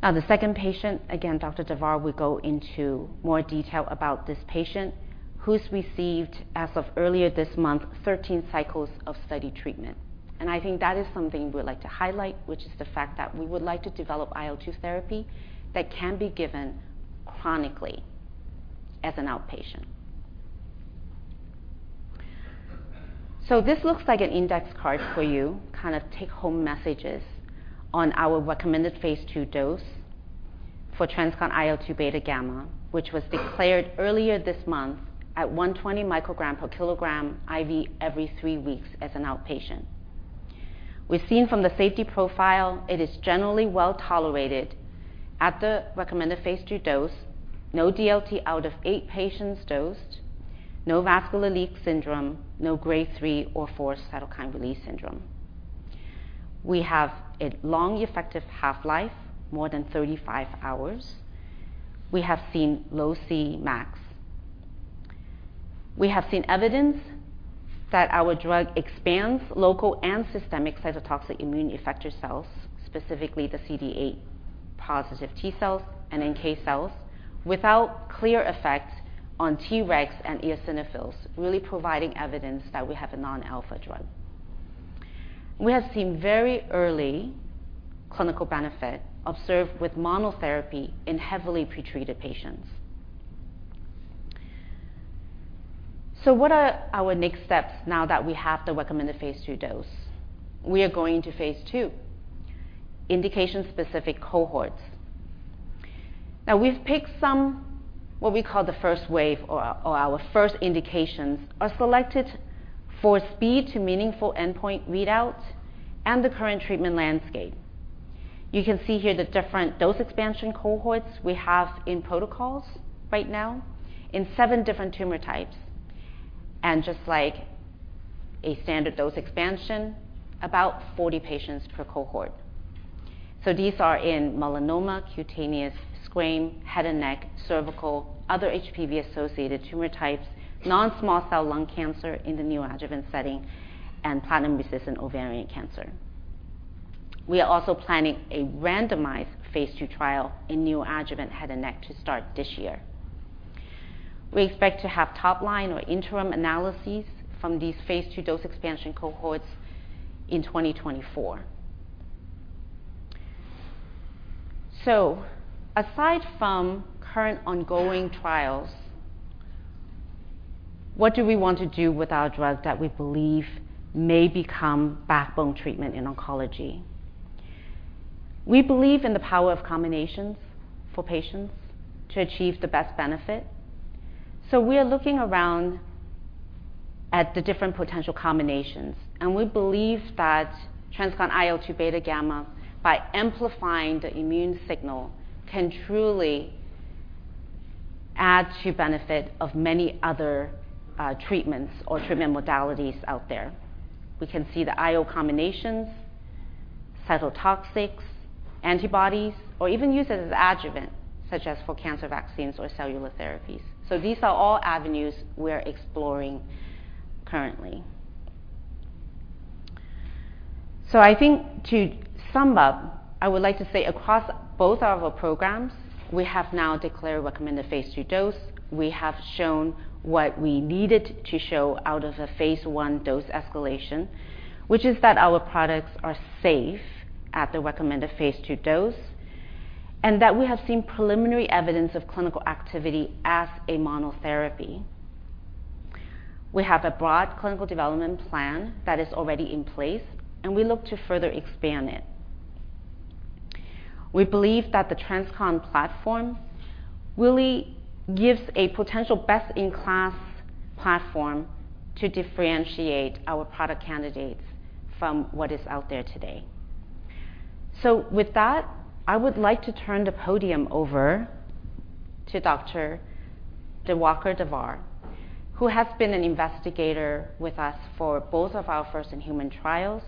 The second patient, again, Dr. Davar will go into more detail about this patient, who's received, as of earlier this month, 13 cycles of study treatment. I think that is something we'd like to highlight, which is the fact that we would like to develop IL-2 therapy that can be given chronically as an outpatient. This looks like an index card for you, kind of take-home messages on our recommended phase II dose for TransCon IL-2 β/γ, which was declared earlier this month at 120 microgram per kilogram IV every three weeks as an outpatient. We've seen from the safety profile, it is generally well tolerated at the recommended phase II dose, no DLT out of eight patients dosed, no vascular leak syndrome, no Grade three or four cytokine release syndrome. We have a long effective half-life, more than 35 hours. We have seen low Cmax. We have seen evidence that our drug expands local and systemic cytotoxic immune effector cells, specifically the CD8 positive T cells and NK cells, without clear effects on Tregs and eosinophils, really providing evidence that we have a non-alpha drug. We have seen very early clinical benefit observed with monotherapy in heavily pretreated patients. What are our next steps now that we have the recommended phase II dose? We are going to phase II, indication-specific cohorts. We've picked some, what we call the first wave or our first indications, are selected for speed to meaningful endpoint readouts and the current treatment landscape. You can see here the different dose expansion cohorts we have in protocols right now in seven different tumor types. Just like a standard dose expansion, about 40 patients per cohort. These are in melanoma, cutaneous, squam, head and neck, cervical, other HPV-associated tumor types, non-small cell lung cancer in the neoadjuvant setting, and platinum-resistant ovarian cancer. We are also planning a randomized phase II trial in neoadjuvant head and neck to start this year. We expect to have top line or interim analyses from these phase II dose expansion cohorts in 2024. Aside from current ongoing trials, what do we want to do with our drug that we believe may become backbone treatment in oncology? We believe in the power of combinations for patients to achieve the best benefit, so we are looking around at the different potential combinations, and we believe that TransCon IL-2 β/γ, by amplifying the immune signal, can truly add to benefit of many other treatments or treatment modalities out there. We can see the IO combinations, cytotoxics, antibodies, or even use it as adjuvant, such as for cancer vaccines or cellular therapies. These are all avenues we're exploring currently. I think to sum up, I would like to say across both our programs, we have now declared recommended phase II dose. We have shown what we needed to show out of a phase I dose escalation, which is that our products are safe at the recommended phase II dose, and that we have seen preliminary evidence of clinical activity as a monotherapy. We have a broad clinical development plan that is already in place, and we look to further expand it. We believe that the TransCon platform really gives a potential best-in-class platform to differentiate our product candidates from what is out there today. With that, I would like to turn the podium over to Dr. Diwakar Davar, who has been an investigator with us for both of our first in-human trials.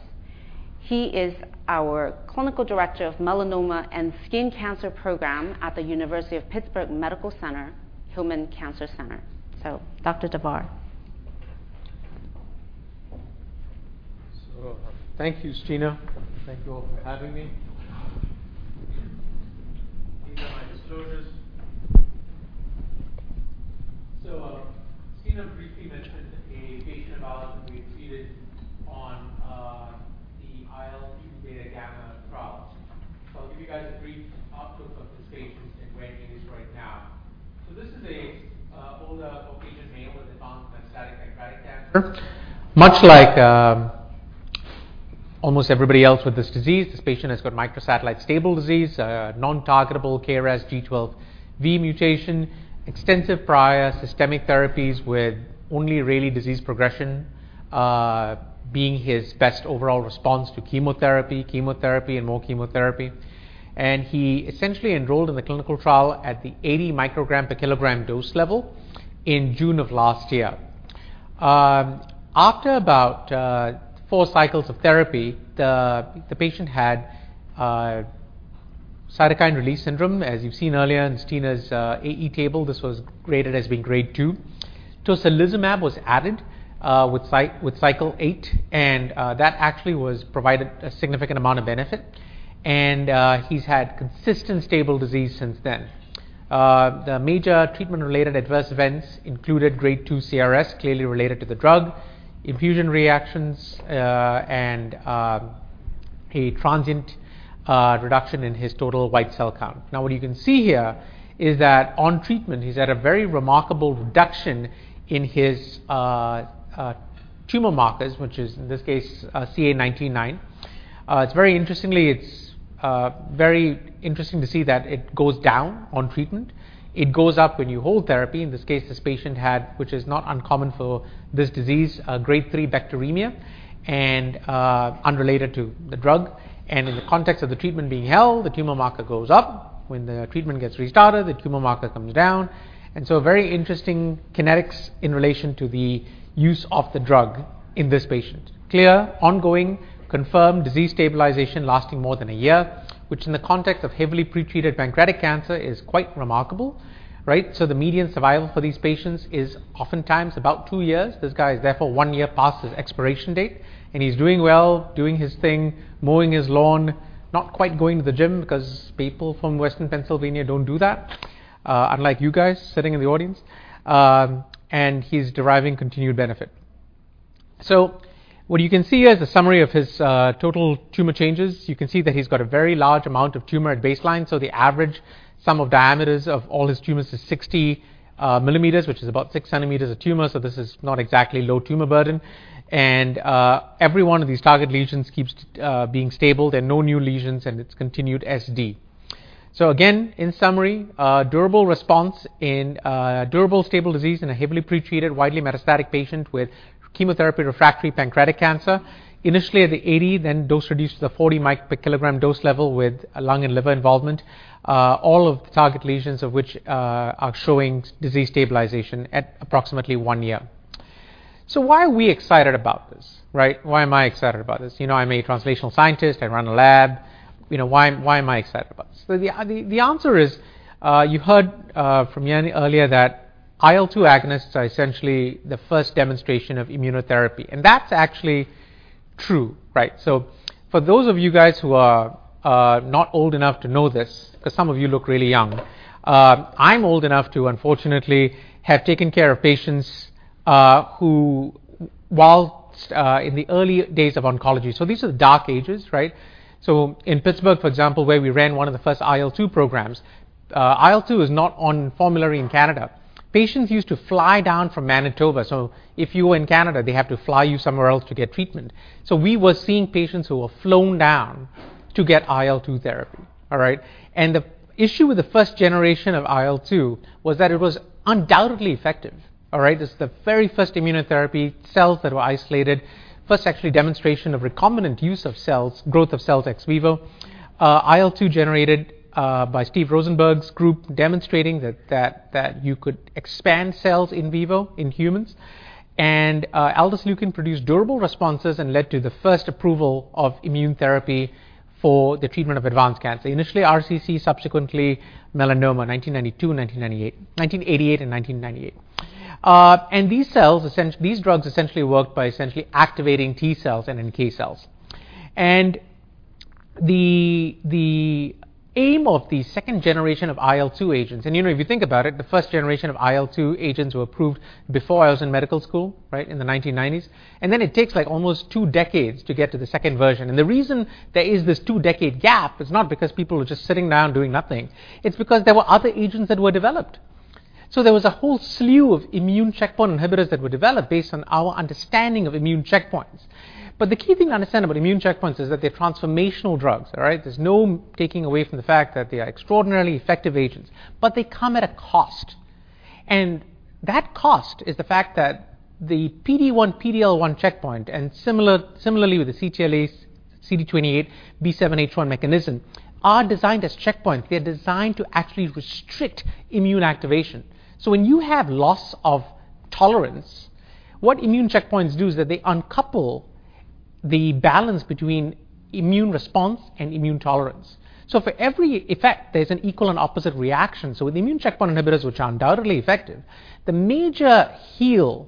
He is our Clinical Director of Melanoma and Skin Cancer Program at the University of Pittsburgh Medical Center, Hillman Cancer Center. Dr. Davar? Thank you, Stina. Thank you all for having me. These are my disclosures. Stina briefly mentioned a patient of ours that we treated on the IL-2 beta gamma product. I'll give you guys a brief outlook of this patient and where he is right now. This is a older Caucasian male with advanced metastatic pancreatic cancer. Much like, almost everybody else with this disease, this patient has got microsatellite stable disease, non-targetable KRAS G12V mutation, extensive prior systemic therapies with only really disease progression, being his best overall response to chemotherapy and more chemotherapy. He essentially enrolled in the clinical trial at the 80 microgram per kilogram dose level in June of last year. After about four cycles of therapy, the patient had cytokine release syndrome, as you've seen earlier in Stina's AE table. This was graded as being Grade two. Tocilizumab was added with cycle eight, and that actually was provided a significant amount of benefit, and he's had consistent, stable disease since then. The major treatment-related adverse events included Grade two CRS, clearly related to the drug, infusion reactions, and a transient reduction in his total white cell count. Now, what you can see here is that on treatment, he's had a very remarkable reduction in his tumor markers, which is, in this case, CA 19-9. It's very interesting to see that it goes down on treatment. It goes up when you hold therapy. In this case, this patient had, which is not uncommon for this disease, a Grade three bacteremia and unrelated to the drug. In the context of the treatment being held, the tumor marker goes up. When the treatment gets restarted, the tumor marker comes down. Very interesting kinetics in relation to the use of the drug in this patient. Clear, ongoing, confirmed disease stabilization lasting more than a year, which in the context of heavily pretreated pancreatic cancer, is quite remarkable, right? The median survival for these patients is oftentimes about two years. This guy is therefore one year past his expiration date, and he's doing well, doing his thing, mowing his lawn, not quite going to the gym because people from Western Pennsylvania don't do that, unlike you guys sitting in the audience, and he's deriving continued benefit. What you can see here is a summary of his total tumor changes. You can see that he's got a very large amount of tumor at baseline, so the average sum of diameters of all his tumors is 60 mm, which is about 6cm of tumor, so this is not exactly low tumor burden. Every one of these target lesions keeps being stable. There are no new lesions, and it's continued SD. Again, in summary, durable response in a durable, stable disease in a heavily pretreated, widely metastatic patient with chemotherapy-refractory pancreatic cancer. Initially at the 80, then dose reduced to the 40 micro per kilogram dose level with lung and liver involvement, all of the target lesions of which are showing disease stabilization at approximately one year. Why are we excited about this, right? Why am I excited about this? You know, I'm a translational scientist. I run a lab. You know, why am I excited about this? The answer is, you heard from Jenny earlier that IL-2 agonists are essentially the first demonstration of immunotherapy, and that's actually true, right? For those of you guys who are not old enough to know this, 'cause some of you look really young, I'm old enough to, unfortunately, have taken care of patients who whilst in the early days of oncology... These are the dark ages, right? In Pittsburgh, for example, where we ran one of the first IL-2 programs, IL-2 is not on formulary in Canada. Patients used to fly down from Manitoba, so if you were in Canada, they have to fly you somewhere else to get treatment. We were seeing patients who were flown down to get IL-2 therapy, all right? The issue with the first generation of IL-2 was that it was undoubtedly effective, all right? This is the very first immunotherapy, cells that were isolated, first actually demonstration of recombinant use of cells, growth of cells ex vivo. IL-2 generated by Steve Rosenberg's group, demonstrating that you could expand cells in vivo in humans. aldesleukin produced durable responses and led to the first approval of immune therapy for the treatment of advanced cancer. Initially, RCC, subsequently melanoma, 1992, 1988 and 1998. These cells, these drugs essentially worked by essentially activating T cells and NK cells. The aim of the second generation of IL-2 agents... You know, if you think about it, the first generation of IL-2 agents were approved before I was in medical school, right, in the 1990s, then it takes, like, almost 2 decades to get to the second version. The reason there is this 2-decade gap is not because people were just sitting down doing nothing. It's because there were other agents that were developed. There was a whole slew of immune checkpoint inhibitors that were developed based on our understanding of immune checkpoints. The key thing to understand about immune checkpoints is that they're transformational drugs, all right. There's no taking away from the fact that they are extraordinarily effective agents, but they come at a cost. That cost is the fact that the PD-1, PD-L1 checkpoint, and similarly with the CTLA's, CD28, B7H1 mechanism, are designed as checkpoints. They're designed to actually restrict immune activation. When you have loss of tolerance, what immune checkpoints do is that they uncouple the balance between immune response and immune tolerance. For every effect, there's an equal and opposite reaction. With immune checkpoint inhibitors, which are undoubtedly effective, the major heel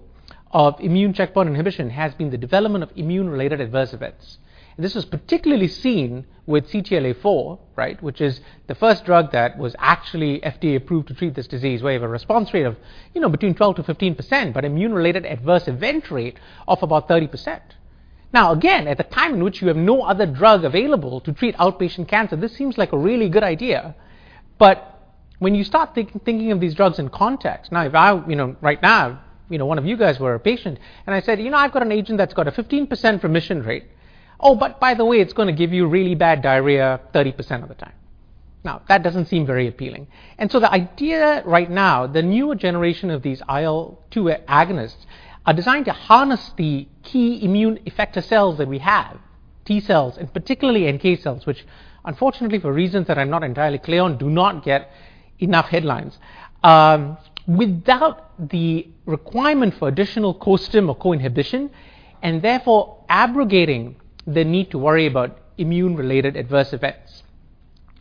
of immune checkpoint inhibition has been the development of immune-related adverse events. This was particularly seen with CTLA-4, right, which is the first drug that was actually FDA-approved to treat this disease, where you have a response rate of, you know, between 12%-15%, but immune-related adverse event rate of about 30%. Now, again, at the time in which you have no other drug available to treat outpatient cancer, this seems like a really good idea. When you start thinking of these drugs in context... If I, you know, right now, you know, one of you guys were a patient, and I said, "You know, I've got an agent that's got a 15% remission rate. But by the way, it's gonna give you really bad diarrhea 30% of the time." That doesn't seem very appealing. The idea right now, the newer generation of these IL-2 agonists are designed to harness the key immune effector cells that we have, T cells and particularly NK cells, which unfortunately, for reasons that I'm not entirely clear on, do not get enough headlines, without the requirement for additional costim or co-inhibition, and therefore abrogating the need to worry about immune-related adverse events.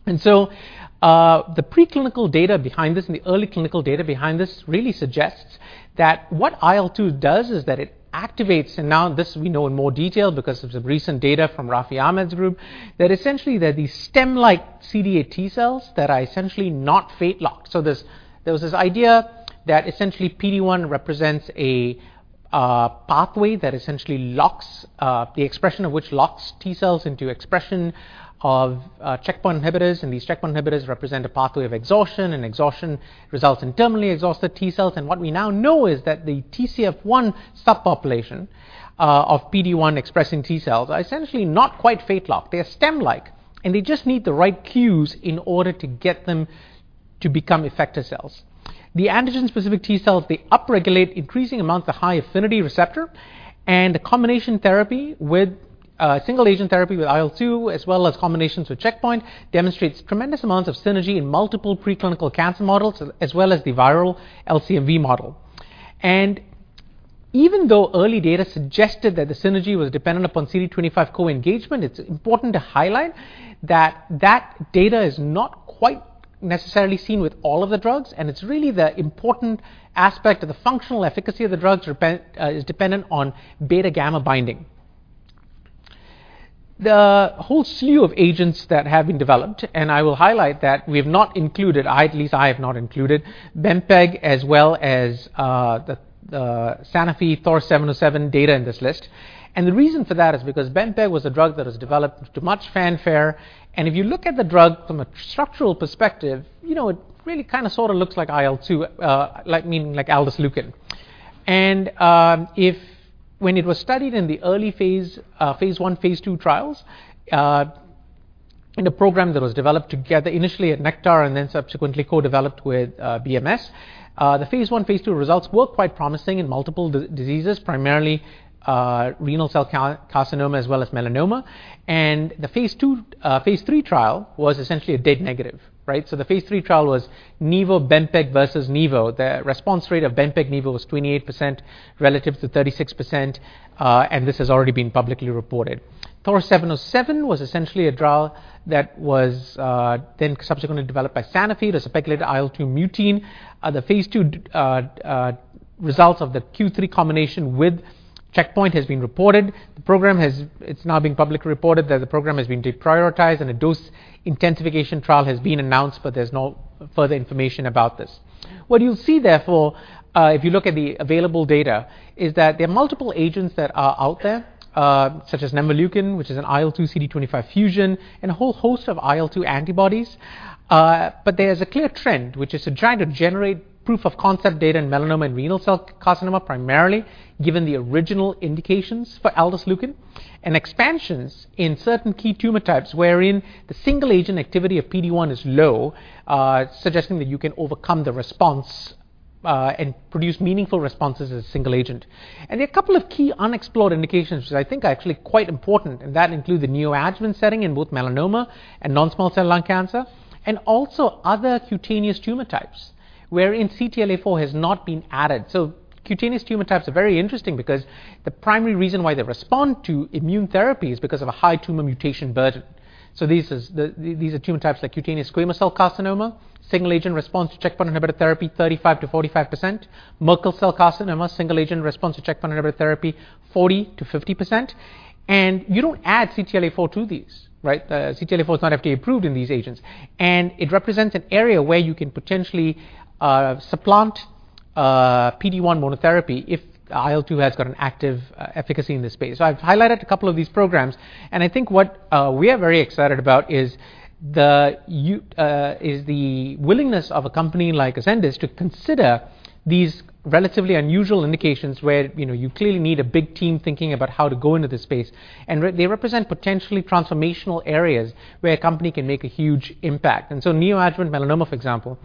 The preclinical data behind this and the early clinical data behind this really suggests that what IL-2 does is that it activates, and now this we know in more detail because of the recent data from Rafi Ahmed's group, that essentially, they're the stem-like CD8 T cells that are essentially not fate-locked. There was this idea that essentially PD-1 represents a pathway that essentially locks the expression of which locks T cells into expression of checkpoint inhibitors, and these checkpoint inhibitors represent a pathway of exhaustion, and exhaustion results in terminally exhausted T cells. What we now know is that the TCF-1 subpopulation of PD-1 expressing T cells are essentially not quite fate-locked. They are stem-like, and they just need the right cues in order to get them to become effector cells. The antigen-specific T cells, they upregulate increasing amounts of high-affinity receptor, the combination therapy with single agent therapy with IL-2, as well as combinations with checkpoint, demonstrates tremendous amounts of synergy in multiple preclinical cancer models, as well as the viral LCMV model. Even though early data suggested that the synergy was dependent upon CD25 co-engagement, it's important to highlight that that data is not quite necessarily seen with all of the drugs, and it's really the important aspect of the functional efficacy of the drugs is dependent on beta-gamma binding. The whole slew of agents that have been developed, and I will highlight that we have not included, I at least, I have not included Bempeg as well as Sanofi THOR-707 data in this list. The reason for that is because Bempeg was a drug that was developed to much fanfare, and if you look at the drug from a structural perspective, you know, it really kind of, sort of looks like IL-2, like meaning, like aldesleukin. If when it was studied in the early phase I, phase II trials in a program that was developed together initially at Nektar and then subsequently co-developed with BMS. The phase I, phase II results were quite promising in multiple diseases, primarily renal cell carcinoma as well as melanoma. The phase II, phase 3 trial was essentially a dead negative, right? The phase 3 trial was nivo benpeg versus nivo. The response rate of benpeg nivo was 28% relative to 36%, and this has already been publicly reported. THOR-707 was essentially a trial that was then subsequently developed by Sanofi. There's a speculative IL-2 mutein. The phase II results of the Q3 combination with checkpoint has been reported. It's now been publicly reported that the program has been deprioritized, and a dose intensification trial has been announced, but there's no further information about this. What you'll see, therefore, if you look at the available data, is that there are multiple agents that are out there, such as nemvaleukin, which is an IL-2 CD25 fusion, and a whole host of IL-2 antibodies. There is a clear trend, which is to try to generate proof of concept data in melanoma and renal cell carcinoma, primarily, given the original indications for aldesleukin, and expansions in certain key tumor types wherein the single agent activity of PD-1 is low, suggesting that you can overcome the response and produce meaningful responses as a single agent. There are a couple of key unexplored indications, which I think are actually quite important, and that include the neoadjuvant setting in both melanoma and non-small cell lung cancer, and also other cutaneous tumor types wherein CTLA-4 has not been added. Cutaneous tumor types are very interesting because the primary reason why they respond to immune therapy is because of a high tumor mutation burden. These are tumor types like cutaneous squamous cell carcinoma, single-agent response to checkpoint inhibitor therapy, 35%-45%. Merkel cell carcinoma, single-agent response to checkpoint inhibitor therapy, 40%-50%. You don't add CTLA-4 to these, right? CTLA-4 is not FDA approved in these agents, and it represents an area where you can potentially supplant PD-1 monotherapy if IL-2 has got an active efficacy in this space. I've highlighted a couple of these programs, and I think what we are very excited about is the willingness of a company like Ascendis to consider these relatively unusual indications where, you know, you clearly need a big team thinking about how to go into this space. They represent potentially transformational areas where a company can make a huge impact. Neoadjuvant melanoma, for example,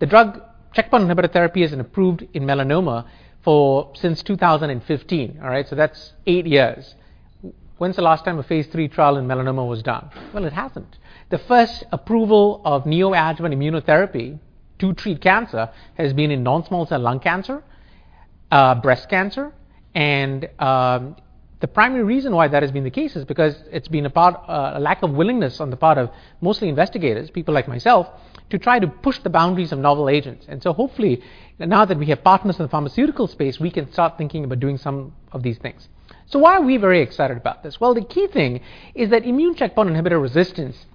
Checkpoint inhibitor therapy isn't approved in melanoma for since 2015. All right? That's eight years. When's the last time a phase three trial in melanoma was done? Well, it hasn't. The first approval of neoadjuvant immunotherapy to treat cancer has been in non-small cell lung cancer, breast cancer, and the primary reason why that has been the case is because it's been a lack of willingness on the part of mostly investigators, people like myself, to try to push the boundaries of novel agents. Hopefully, now that we have partners in the pharmaceutical space, we can start thinking about doing some of these things. Why are we very excited about this? Well, the key thing is that immune checkpoint inhibitor resistance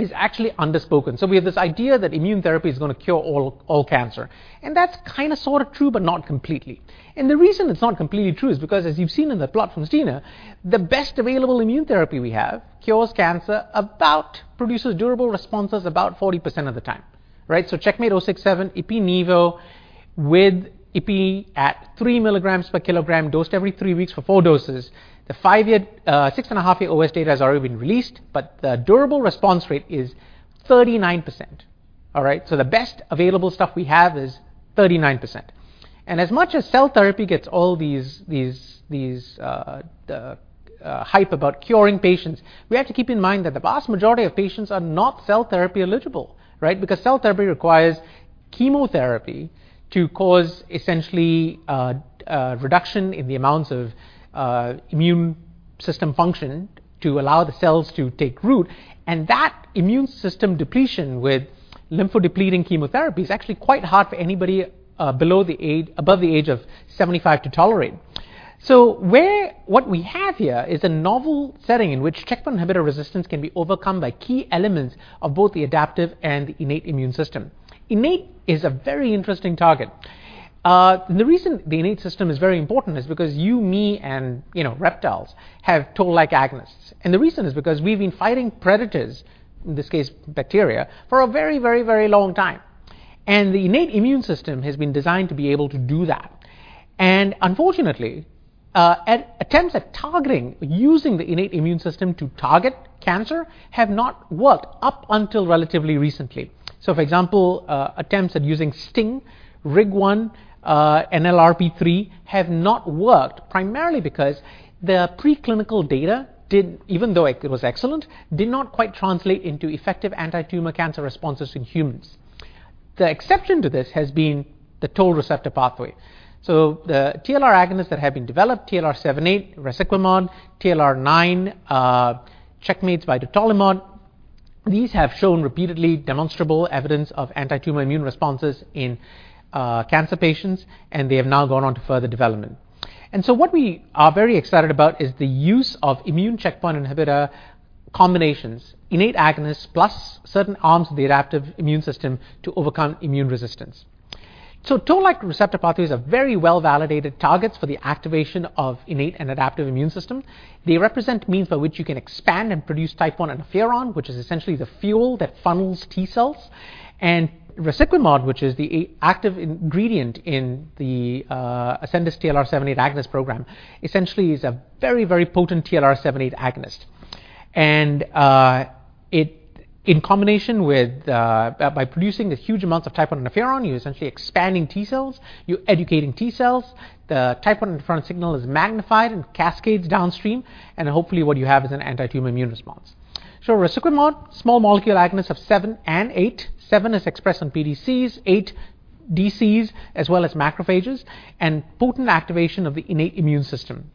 is actually underspoken. We have this idea that immune therapy is gonna cure all cancer, and that's kind of sort of true, but not completely. The reason it's not completely true is because, as you've seen in the plot from Stina, the best available immune therapy we have produces durable responses about 40% of the time, right? CheckMate 067, Ipi-nivo, with Ipi at 3 milligrams per kilogram, dosed every three weeks for four doses. The five-year, 6.5-year OS data has already been released, but the durable response rate is 39%. All right? The best available stuff we have is 39%. As much as cell therapy gets all these hype about curing patients, we have to keep in mind that the vast majority of patients are not cell therapy eligible, right? Because cell therapy requires chemotherapy to cause essentially a reduction in the amounts of immune system function to allow the cells to take root, and that immune system depletion with lymphodepleting chemotherapy is actually quite hard for anybody above the age of 75 to tolerate. What we have here is a novel setting in which checkpoint inhibitor resistance can be overcome by key elements of both the adaptive and innate immune system. Innate is a very interesting target. The reason the innate system is very important is because you, me, and, you know, reptiles have toll-like agonists, and the reason is because we've been fighting predators, in this case, bacteria, for a very, very, very long time, and the innate immune system has been designed to be able to do that. Unfortunately, attempts at targeting, using the innate immune system to target cancer have not worked up until relatively recently. For example, attempts at using STING, RIG-I, NLRP3 have not worked, primarily because the preclinical data did, even though it was excellent, did not quite translate into effective antitumor cancer responses in humans. The exception to this has been the toll receptor pathway. The TLR agonists that have been developed, TLR7/8, resiquimod, TLR9, Checkmate's vidutolimod, these have shown repeatedly demonstrable evidence of antitumor immune responses in cancer patients, and they have now gone on to further development. What we are very excited about is the use of immune checkpoint inhibitor combinations, innate agonists plus certain arms of the adaptive immune system to overcome immune resistance. Toll-like receptor pathways are very well-validated targets for the activation of innate and adaptive immune system. They represent means by which you can expand and produce Type I interferon, which is essentially the fuel that funnels T cells. Resiquimod, which is the active ingredient in the Ascendis TLR 7/8 Agonist program, essentially is a very, very potent TLR 7/8 agonist. It, in combination with by producing the huge amounts of Type I interferon, you're essentially expanding T cells, you're educating T cells. The Type I interferon signal is magnified and cascades downstream, and hopefully, what you have is an anti-tumor immune response. Resiquimod, small molecule agonists of 7 and 8. 7 is expressed on pDCs, 8 DCs, as well as macrophages, and potent activation of the innate immune system.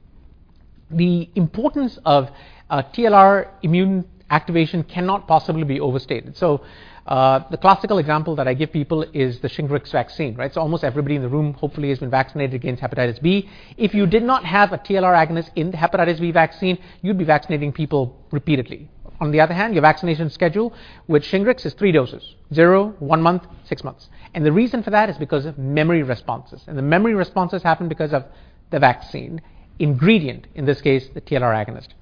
The importance of TLR immune activation cannot possibly be overstated. The classical example that I give people is the Shingrix vaccine, right? Almost everybody in the room hopefully has been vaccinated against hepatitis B. If you did not have a TLR agonist in the hepatitis B vaccine, you'd be vaccinating people repeatedly. On the other hand, your vaccination schedule with Shingrix is three doses: zero, one month, six months. The reason for that is because of memory responses, and the memory responses happen because of the vaccine ingredient, in this case, the TLR agonist.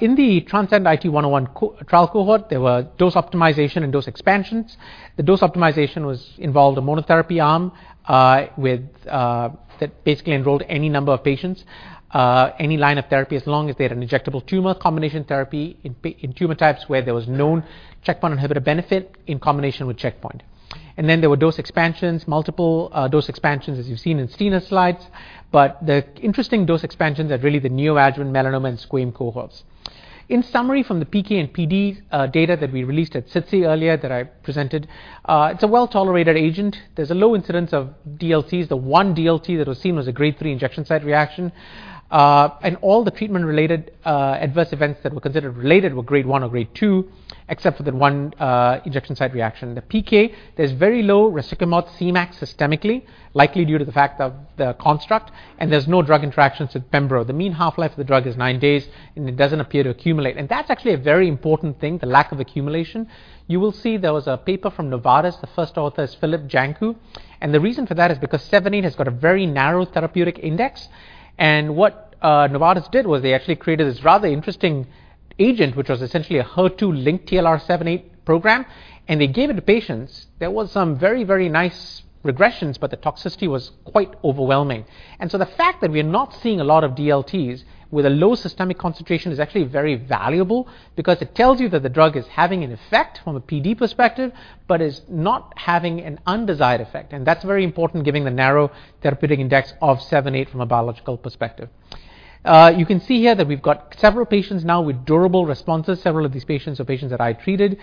In the transcendIT-101 trial cohort, there were dose optimization and dose expansions. The dose optimization was involved a monotherapy arm, with... That basically enrolled any number of patients, any line of therapy, as long as they had an injectable tumor, combination therapy in tumor types where there was known checkpoint inhibitor benefit in combination with checkpoint. Then there were dose expansions, multiple, dose expansions, as you've seen in Steena's slides. The interesting dose expansions are really the neo-adjuvant melanoma and squam cohorts. In summary, from the PK and PD data that we released at SITC earlier that I presented, it's a well-tolerated agent. There's a low incidence of DLTs. The 1 DLT that was seen was a grade 3 injection site reaction. All the treatment-related adverse events that were considered related were grade 1 or grade 2, except for the 1 injection site reaction. The PK, there's very low resiquimod Cmax systemically, likely due to the fact of the construct. There's no drug interactions with pembro. The mean half-life of the drug is 9 days. It doesn't appear to accumulate. That's actually a very important thing, the lack of accumulation. You will see there was a paper from Novartis. The first author is Filip Janku. The reason for that is because TLR7/8 has got a very narrow therapeutic index. What Novartis did was they actually created this rather interesting agent, which was essentially a HER2-linked TLR7/8 program, and they gave it to patients. There was some very, very nice regressions. The toxicity was quite overwhelming. The fact that we're not seeing a lot of DLTs with a low systemic concentration is actually very valuable because it tells you that the drug is having an effect from a PD perspective, but is not having an undesired effect, and that's very important given the narrow therapeutic index of TLR7/8 from a biological perspective. You can see here that we've got several patients now with durable responses. Several of these patients are patients that I treated.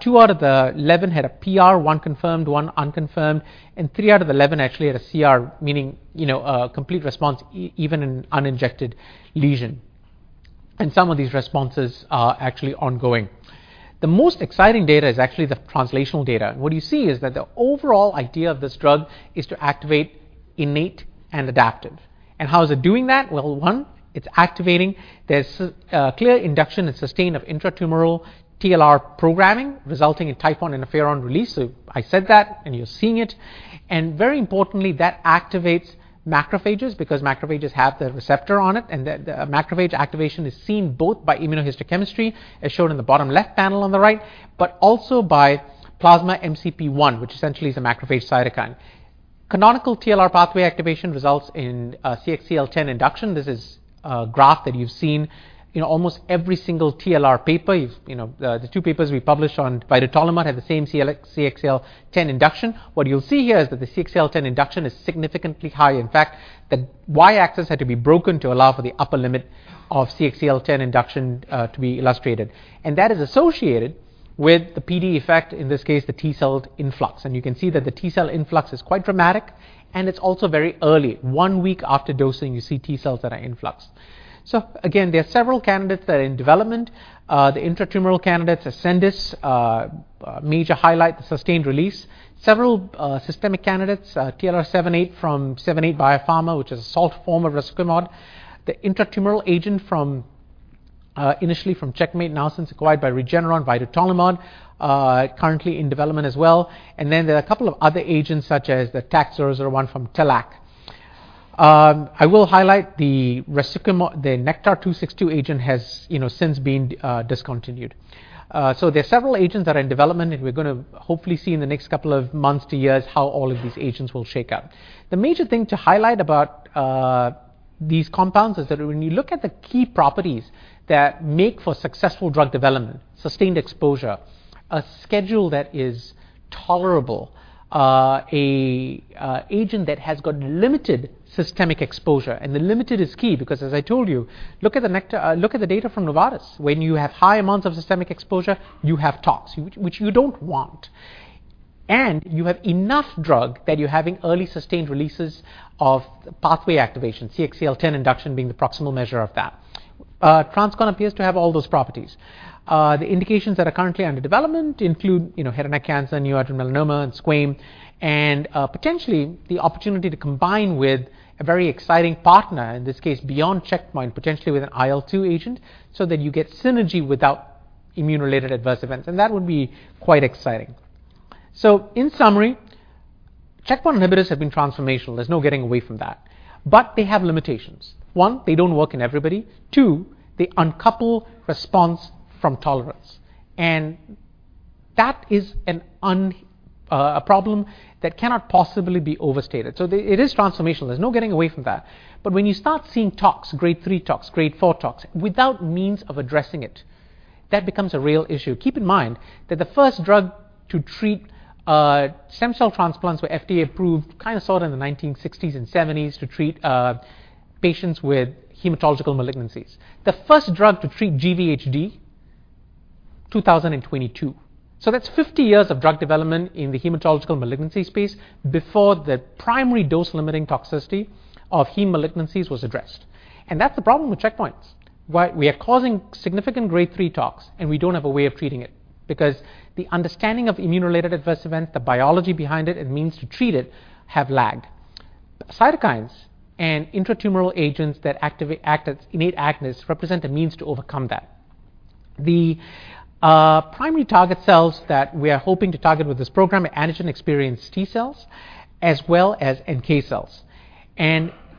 Two out of the 11 had a PR, one confirmed, one unconfirmed, and out of the 11 actually had a CR, meaning, you know, a complete response even in uninjected lesion, and some of these responses are actually ongoing. The most exciting data is actually the translational data. What you see is that the overall idea of this drug is to activate innate and adaptive. How is it doing that? Well, one, it's activating. There's a clear induction and sustain of intratumoral TLR programming, resulting in type I interferon release. I said that, and you're seeing it. Very importantly, that activates macrophages because macrophages have the receptor on it, and the macrophage activation is seen both by immunohistochemistry, as shown in the bottom left panel on the right, but also by plasma MCP-1, which essentially is a macrophage cytokine. Canonical TLR pathway activation results in CXCL10 induction. This is a graph that you've seen in almost every single TLR paper. You've, you know, the 2 papers we published on vidutolimod had the same CXCL10 induction. What you'll see here is that the CXCL10 induction is significantly high. In fact, the Y-axis had to be broken to allow for the upper limit of CXCL10 induction to be illustrated. That is associated with the PD effect, in this case, the T cell influx, and you can see that the T cell influx is quite dramatic, and it's also very early. One week after dosing, you see T cells that are influx. Again, there are several candidates that are in development. The intratumoral candidates, Ascendis, a major highlight, the sustained release. Several systemic candidates, TLR7/8 from Seven and Eight Biopharma, which is a salt form of resiquimod. The intratumoral agent from initially from Checkmate, now since acquired by Regeneron, vidutolimod, currently in development as well. There are a couple of other agents, such as the taxanes or one from Tallac Therapeutics. I will highlight the resiquimod... The NKTR-262 agent has, you know, since been discontinued. There are several agents that are in development, and we're going to hopefully see in the next two months to years how all of these agents will shake out. The major thing to highlight about these compounds is that when you look at the key properties that make for successful drug development, sustained exposure, a schedule that is tolerable, a agent that has got limited systemic exposure, and the limited is key because, as I told you, look at the data from Novartis. When you have high amounts of systemic exposure, you have tox, which you don't want. You have enough drug that you're having early sustained releases of pathway activation, CXCL10 induction being the proximal measure of that. TransCon appears to have all those properties. The indications that are currently under development include head and neck cancer, neo-adjuvant melanoma, and squam, potentially the opportunity to combine with a very exciting partner, in this case, beyond checkpoint, potentially with an IL-2 agent, so that you get synergy without immune-related adverse events, that would be quite exciting. In summary, checkpoint inhibitors have been transformational. There's no getting away from that. They have limitations. One, they don't work in everybody. Two, they uncouple response from tolerance. That is a problem that cannot possibly be overstated. It is transformational. There's no getting away from that. When you start seeing tox, Grade three tox, Grade four tox, without means of addressing it, that becomes a real issue. Keep in mind, that the first drug to treat stem cell transplants were FDA approved, kind of saw it in the 1960s and 1970s to treat patients with hematological malignancies. The first drug to treat GVHD, 2022. That's 50 years of drug development in the hematological malignancy space before the primary dose-limiting toxicity of heme malignancies was addressed. That's the problem with checkpoints. Why we are causing significant Grade three tox, and we don't have a way of treating it, because the understanding of immune-related adverse events, the biology behind it, and means to treat it, have lagged. Cytokines and intratumoral agents that act as innate agonists, represent a means to overcome that. The primary target cells that we are hoping to target with this program are antigen-experienced T-cells, as well as NK cells.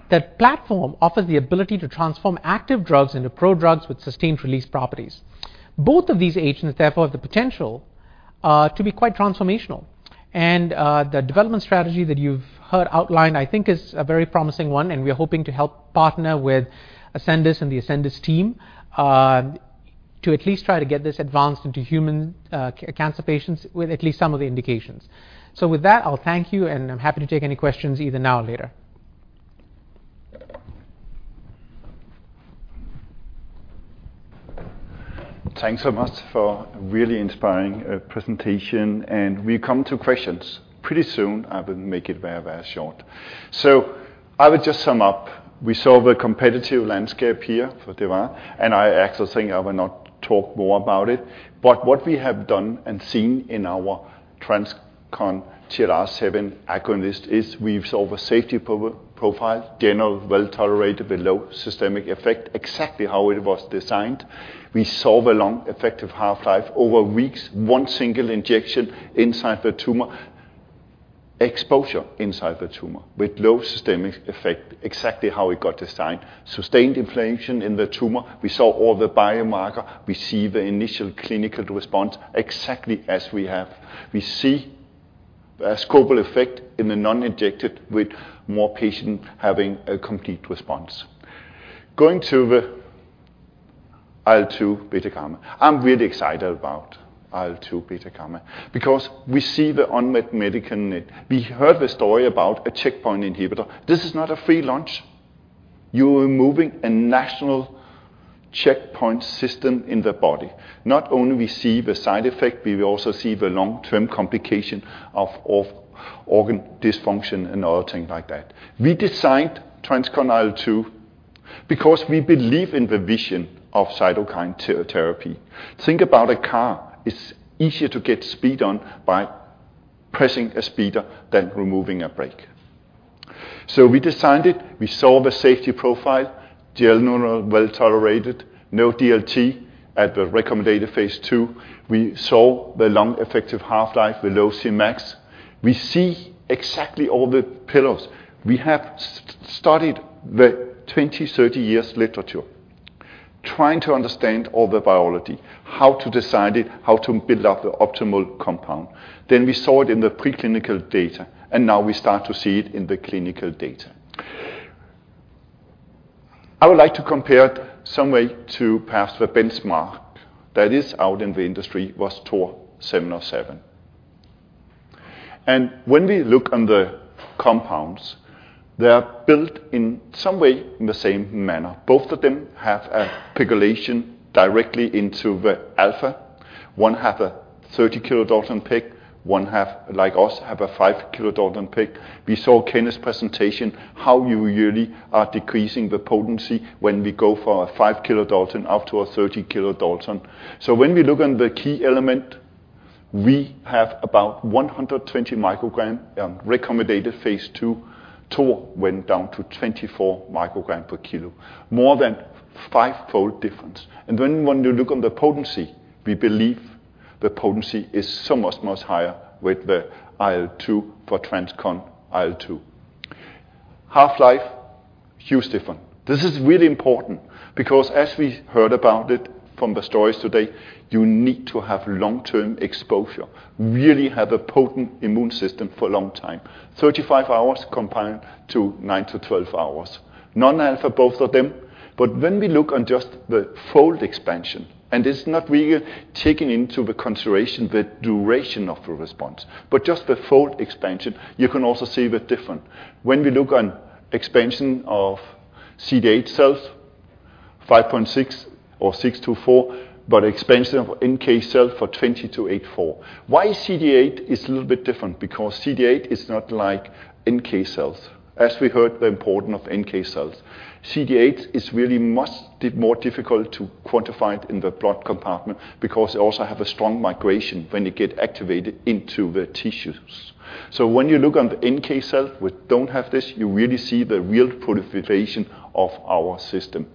The platform offers the ability to transform active drugs into prodrugs with sustained release properties. Both of these agents, therefore, have the potential to be quite transformational. The development strategy that you've heard outlined, I think, is a very promising one, and we are hoping to help partner with Ascendis and the Ascendis team to at least try to get this advanced into human cancer patients with at least some of the indications. With that, I'll thank you, and I'm happy to take any questions either now or later. Thanks so much for a really inspiring presentation, and we come to questions pretty soon. I will make it very, very short. I will just sum up. We saw the competitive landscape here for Deva, and I actually think I will not talk more about it. What we have done and seen in our TransCon TLR7/8 Agonist is we've solved a safety profile, general, well-tolerated with low systemic effect, exactly how it was designed. We solve a long effective half-life over weeks, one single injection inside the tumor, exposure inside the tumor with low systemic effect, exactly how it got designed. Sustained inflation in the tumor, we saw all the biomarker, we see the initial clinical response exactly as we have. We see a abscopal effect in the non-injected, with more patient having a complete response. Going to the IL-2 β/γ. I'm really excited about IL-2 beta gamma because we see the unmet medical need. We heard the story about a checkpoint inhibitor. This is not a free launch. You are removing a national checkpoint system in the body. Not only we see the side effect, we will also see the long-term complication of organ dysfunction and other things like that. We designed TransCon IL-2 because we believe in the vision of cytokine therapy. Think about a car. It's easier to get speed on by pressing a speeder than removing a brake. We designed it. We saw the safety profile, general, well-tolerated, no DLT at the recommended phase II. We saw the long effective half-life with low Cmax. We see exactly all the pillars. We have studied the 20, 30 years literature, trying to understand all the biology, how to decide it, how to build up the optimal compound. Then we saw it in the preclinical data, and now we start to see it in the clinical data. I would like to compare it some way to perhaps the benchmark that is out in the industry was TOR 7/7. When we look on the compounds, they are built in some way in the same manner. Both of them have a pegylation directly into the alpha. One have a 30 kilodalton peg, one have, like us, have a 5 kilodalton peg. We saw Kenneth's presentation, how you really are decreasing the potency when we go for a 5 kilodalton up to a 30 kilodalton. When we look on the key element, we have about 120 microgram on recommended phase II. TOR went down to 24 microgram per kilo, more than 5-fold difference. When you look on the potency, we believe the potency is so much higher with the IL-2 for TransCon IL-2. Half-life, huge difference. This is really important because as we heard about it from the stories today, you need to have long-term exposure, really have a potent immune system for a long time. 35 hours compared to 9-12 hours. Non-alpha, both of them. When we look on just the fold expansion, and it's not really taking into the consideration the duration of the response, but just the fold expansion, you can also see the difference. When we look on expansion of CD8 cells, 5.6 or six-four, expansion of NK cell for 20-84. Why CD8 is a little bit different? Because CD8 is not like NK cells. As we heard, the important of NK cells. CD8 is really much more difficult to quantify it in the blood compartment because they also have a strong migration when they get activated into the tissues. When you look on the NK cell, which don't have this, you really see the real proliferation of our system.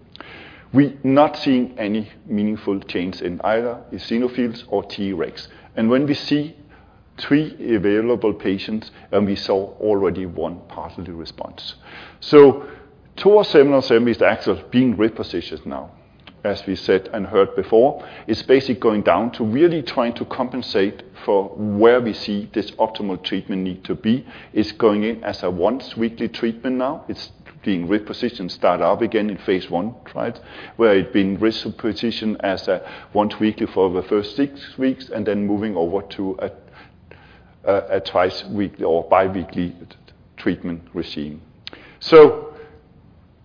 We not seeing any meaningful change in either eosinophils or Tregs. When we three available patients, and we saw already one partial response. TOR 7/7 is actually being repositioned now, as we said and heard before. It's basically going down to really trying to compensate for where we see this optimal treatment need to be. It's going in as a once weekly treatment now. It's being repositioned, start up again in phase I trial, where it's been repositioned as a once weekly for the first six weeks, and then moving over to a twice weekly or bi-weekly treatment regime.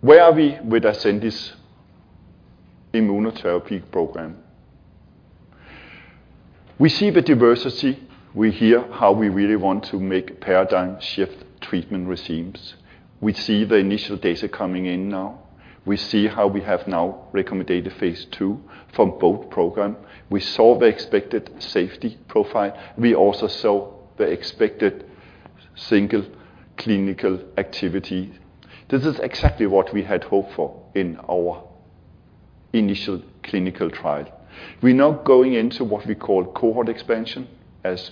Where are we with Ascendis immunotherapy program? We see the diversity, we hear how we really want to make paradigm shift treatment regimes. We see the initial data coming in now. We see how we have now recommended phase II for both program. We saw the expected safety profile. We also saw the expected single clinical activity. This is exactly what we had hoped for in our initial clinical trial. We're now going into what we call cohort expansion, as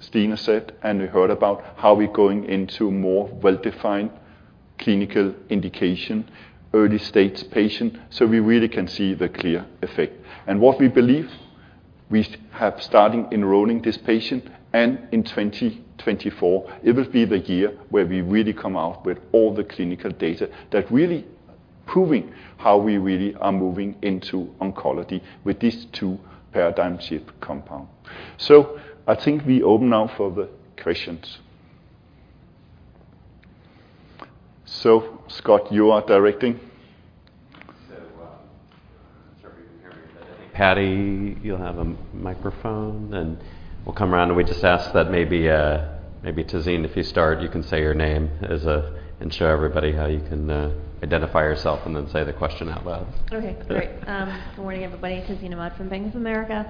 Stina said, and we heard about how we're going into more well-defined clinical indication, early-stage patient, so we really can see the clear effect. What we believe, we have started enrolling this patient, and in 2024, it will be the year where we really come out with all the clinical data that really proving how we really are moving into oncology with these two paradigms shift compound. I think we open now for the questions. Scott, you are directing. I'm not sure if you can hear me, but I think, Patty, you'll have a microphone, and we'll come around, and we just ask that maybe, Tazeen, if you start, you can say your name as a... Show everybody how you can, identify yourself and then say the question out loud. Okay, great. Good morning, everybody. Tazeen Ahmad from Bank of America.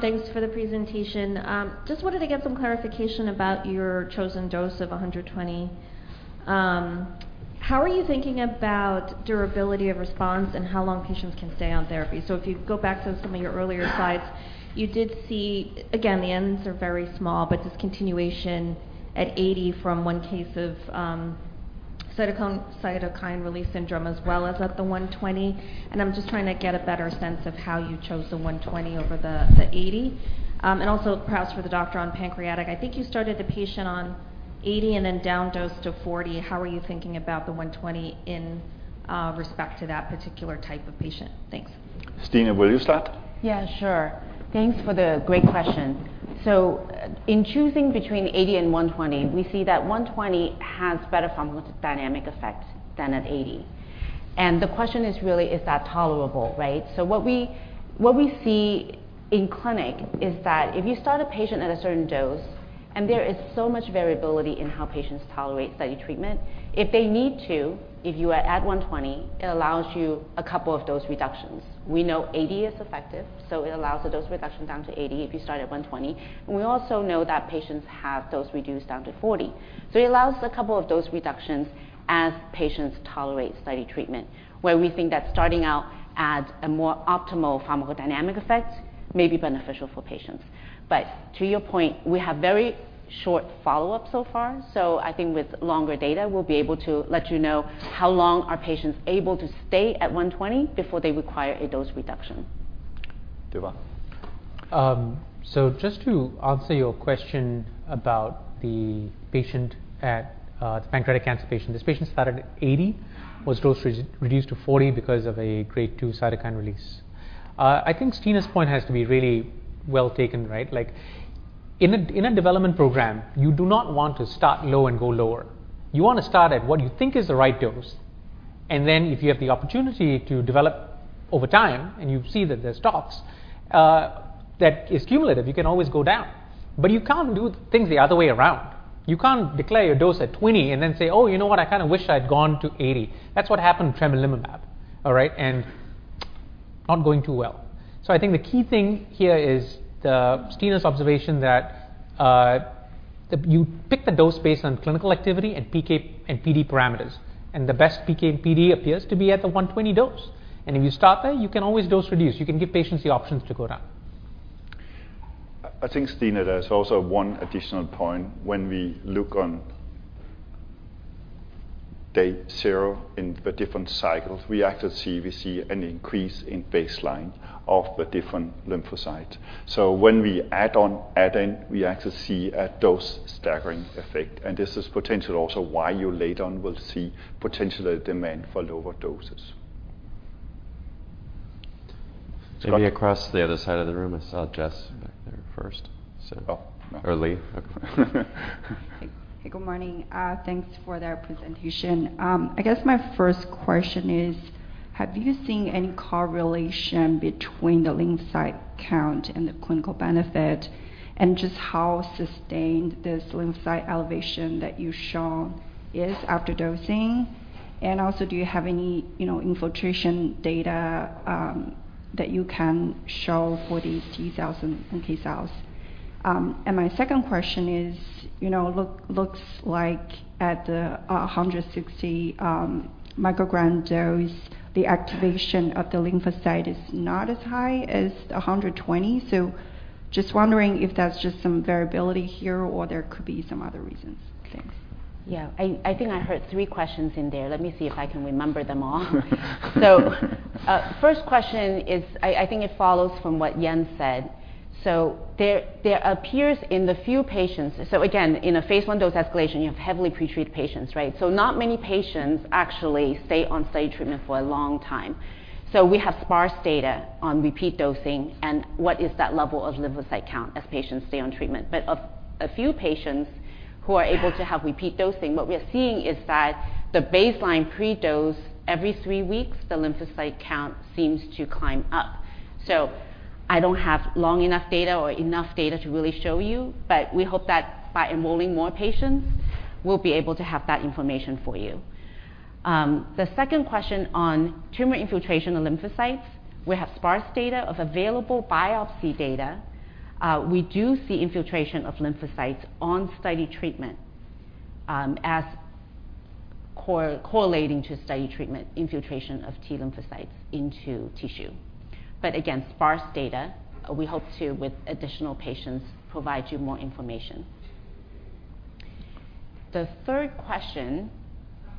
Thanks for the presentation. Just wanted to get some clarification about your chosen dose of 120. How are you thinking about durability of response and how long patients can stay on therapy? If you go back to some of your earlier slides, you did see, again, the ends are very small, but discontinuation at 80 from one case of cytokine release syndrome, as well as at the 120. I'm just trying to get a better sense of how you chose the 120 over the 80. Also perhaps for the doctor on pancreatic, I think you started the patient on 80 and then down dosed to 40. How are you thinking about the 120 in respect to that particular type of patient? Thanks. Stina, will you start? Yeah, sure. Thanks for the great question. In choosing between 80 and 120, we see that 120 has better pharmacodynamic effect than at 80. The question is really, is that tolerable, right? What we see in clinic is that if you start a patient at a certain dose, and there is so much variability in how patients tolerate study treatment, if they need to, if you are at 120, it allows you a couple of dose reductions. We know 80 is effective, so it allows a dose reduction down to 80 if you start at 120. We also know that patients have dose reduced down to 40. It allows a couple of dose reductions as patients tolerate study treatment, where we think that starting out at a more optimal pharmacodynamic effect may be beneficial for patients. To your point, we have very short follow-up so far, so I think with longer data, we'll be able to let you know how long are patients able to stay at 120 before they require a dose reduction. Diwa? Just to answer your question about the pancreatic cancer patient. This patient started at 80, was dose reduced to 40 because of a grade two cytokine release. I think Stina's point has to be really well taken, right? Like, in a development program, you do not want to start low and go lower. You want to start at what you think is the right dose, and then if you have the opportunity to develop over time, and you see that there's stops, that is cumulative, you can always go down. You can't do things the other way around. You can't declare your dose at 20 and then say, "Oh, you know what? I kinda wish I'd gone to 80." That's what happened with tremelimumab, all right? Not going too well. I think the key thing here is Stina's observation that you pick the dose based on clinical activity and PK and PD parameters, and the best PK and PD appears to be at the 120 dose. If you start there, you can always dose reduce. You can give patients the options to go down. I think, Stina, there's also one additional point. When we look on day zero in the different cycles, we actually see an increase in baseline of the different lymphocytes. When we add in, we actually see a dose staggering effect, and this is potentially also why you later on will see potentially a demand for lower doses. Maybe across the other side of the room, I saw Jess back there first, so. Oh. Lee. Hey. Hey, good morning. Thanks for that presentation. I guess my first question is, have you seen any correlation between the lymphocyte count and the clinical benefit, and just how sustained this lymphocyte elevation that you've shown is after dosing? Also, do you have any, you know, infiltration data that you can show for these T cells and NK cells? My second question is, you know, looks like at the 160-microgram dose, the activation of the lymphocyte is not as high as the 120. Just wondering if that's just some variability here or there could be some other reasons. Thanks. I think I heard three questions in there. Let me see if I can remember them all. First question is, I think it follows from what Jan said. There appears in the few patients. Again, in a phase I dose escalation, you have heavily pre-treated patients, right? Not many patients actually stay on study treatment for a long time. We have sparse data on repeat dosing, and what is that level of lymphocyte count as patients stay on treatment. Of a few patients who are able to have repeat dosing, what we are seeing is that the baseline pre-dose, every three weeks, the lymphocyte count seems to climb up. I don't have long enough data or enough data to really show you, but we hope that by enrolling more patients, we'll be able to have that information for you. The second question on tumor infiltration of lymphocytes. We have sparse data of available biopsy data. We do see infiltration of lymphocytes on study treatment, as correlating to study treatment, infiltration of T lymphocytes into tissue. Again, sparse data. We hope to, with additional patients, provide you more information. The third question-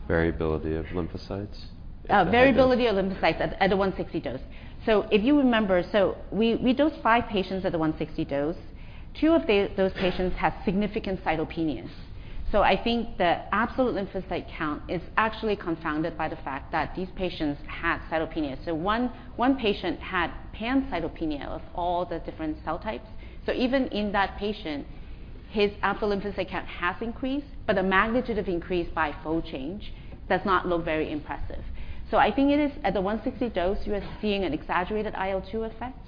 Variability of lymphocytes? Variability of lymphocytes at the 160 dose. If you remember, we dosed five patients at the 160 dose. Two of those patients had significant cytopenias. I think the absolute lymphocyte count is actually confounded by the fact that these patients had cytopenias. One patient had pancytopenia of all the different cell types. Even in that patient, his absolute lymphocyte count has increased, but the magnitude of increase by fold change does not look very impressive. I think it is at the 160 dose, you are seeing an exaggerated IL-2 effect,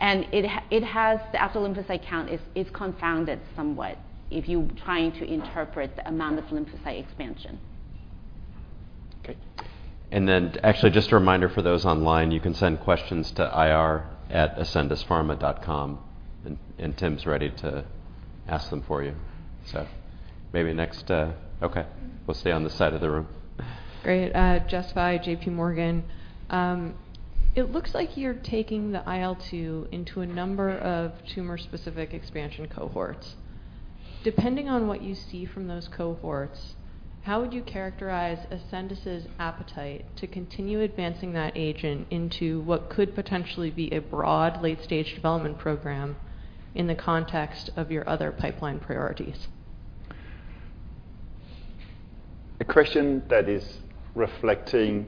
and it has the absolute lymphocyte count is confounded somewhat if you're trying to interpret the amount of lymphocyte expansion. Okay. actually, just a reminder for those online, you can send questions to ir@ascendispharma.com, and Tim's ready to ask them for you. maybe next... Okay, we'll stay on this side of the room. Great. Jessica Fye, J.P. Morgan. It looks like you're taking the IL-2 into a number of tumor-specific expansion cohorts. Depending on what you see from those cohorts, how would you characterize Ascendis' appetite to continue advancing that agent into what could potentially be a broad late-stage development program in the context of your other pipeline priorities? A question that is reflecting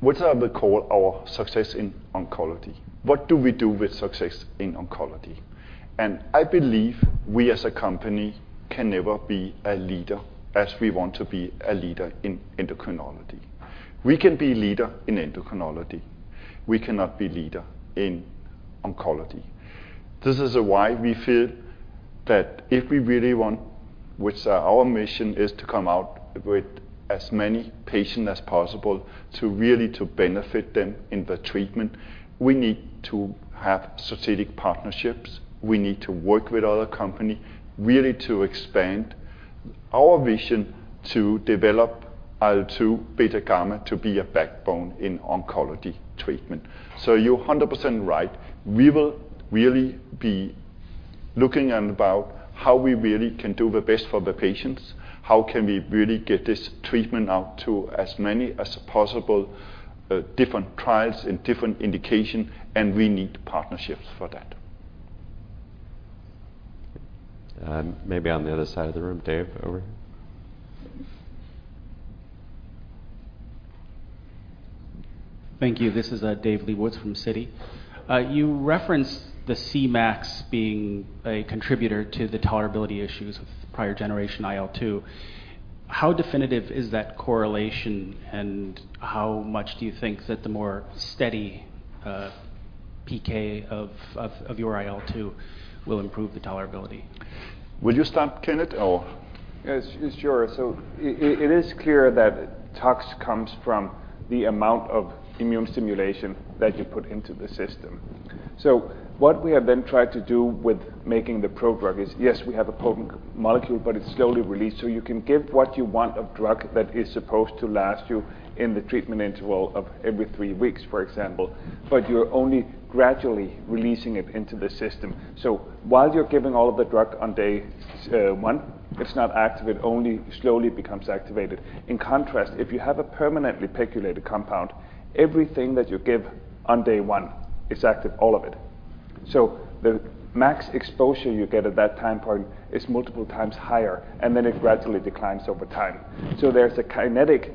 what I would call our success in oncology. What do we do with success in oncology? I believe we, as a company, can never be a leader, as we want to be a leader in endocrinology. We can be leader in endocrinology. We cannot be leader in oncology. This is why we feel that if we really want, which, our mission is to come out with as many patients as possible, to really benefit them in the treatment, we need to have strategic partnerships. We need to work with other company, really to expand our vision to develop IL-two beta gamma to be a backbone in oncology treatment. You're 100% right. We will really be looking at about how we really can do the best for the patients. How can we really get this treatment out to as many as possible, different trials and different indication. We need partnerships for that. Maybe on the other side of the room. Dave, over here. Thank you. This is David Lebowitz from Citi. You referenced the Cmax being a contributor to the tolerability issues with prior generation IL-2. How definitive is that correlation, and how much do you think that the more steady PK of your IL-2 will improve the tolerability? Will you start, Kenneth, or? Yes, sure. It is clear that tox comes from the amount of immune stimulation that you put into the system. What we have then tried to do with making the prodrug is, yes, we have a potent molecule, but it's slowly released. You can give what you want of drug that is supposed to last you in the treatment interval of every three weeks, for example, but you're only gradually releasing it into the system. While you're giving all of the drug on day one, it's not active. It only slowly becomes activated. In contrast, if you have a permanently PEGylated compound, everything that you give on day 1 is active, all of it. The max exposure you get at that time point is multiple times higher, and then it gradually declines over time. There's a kinetic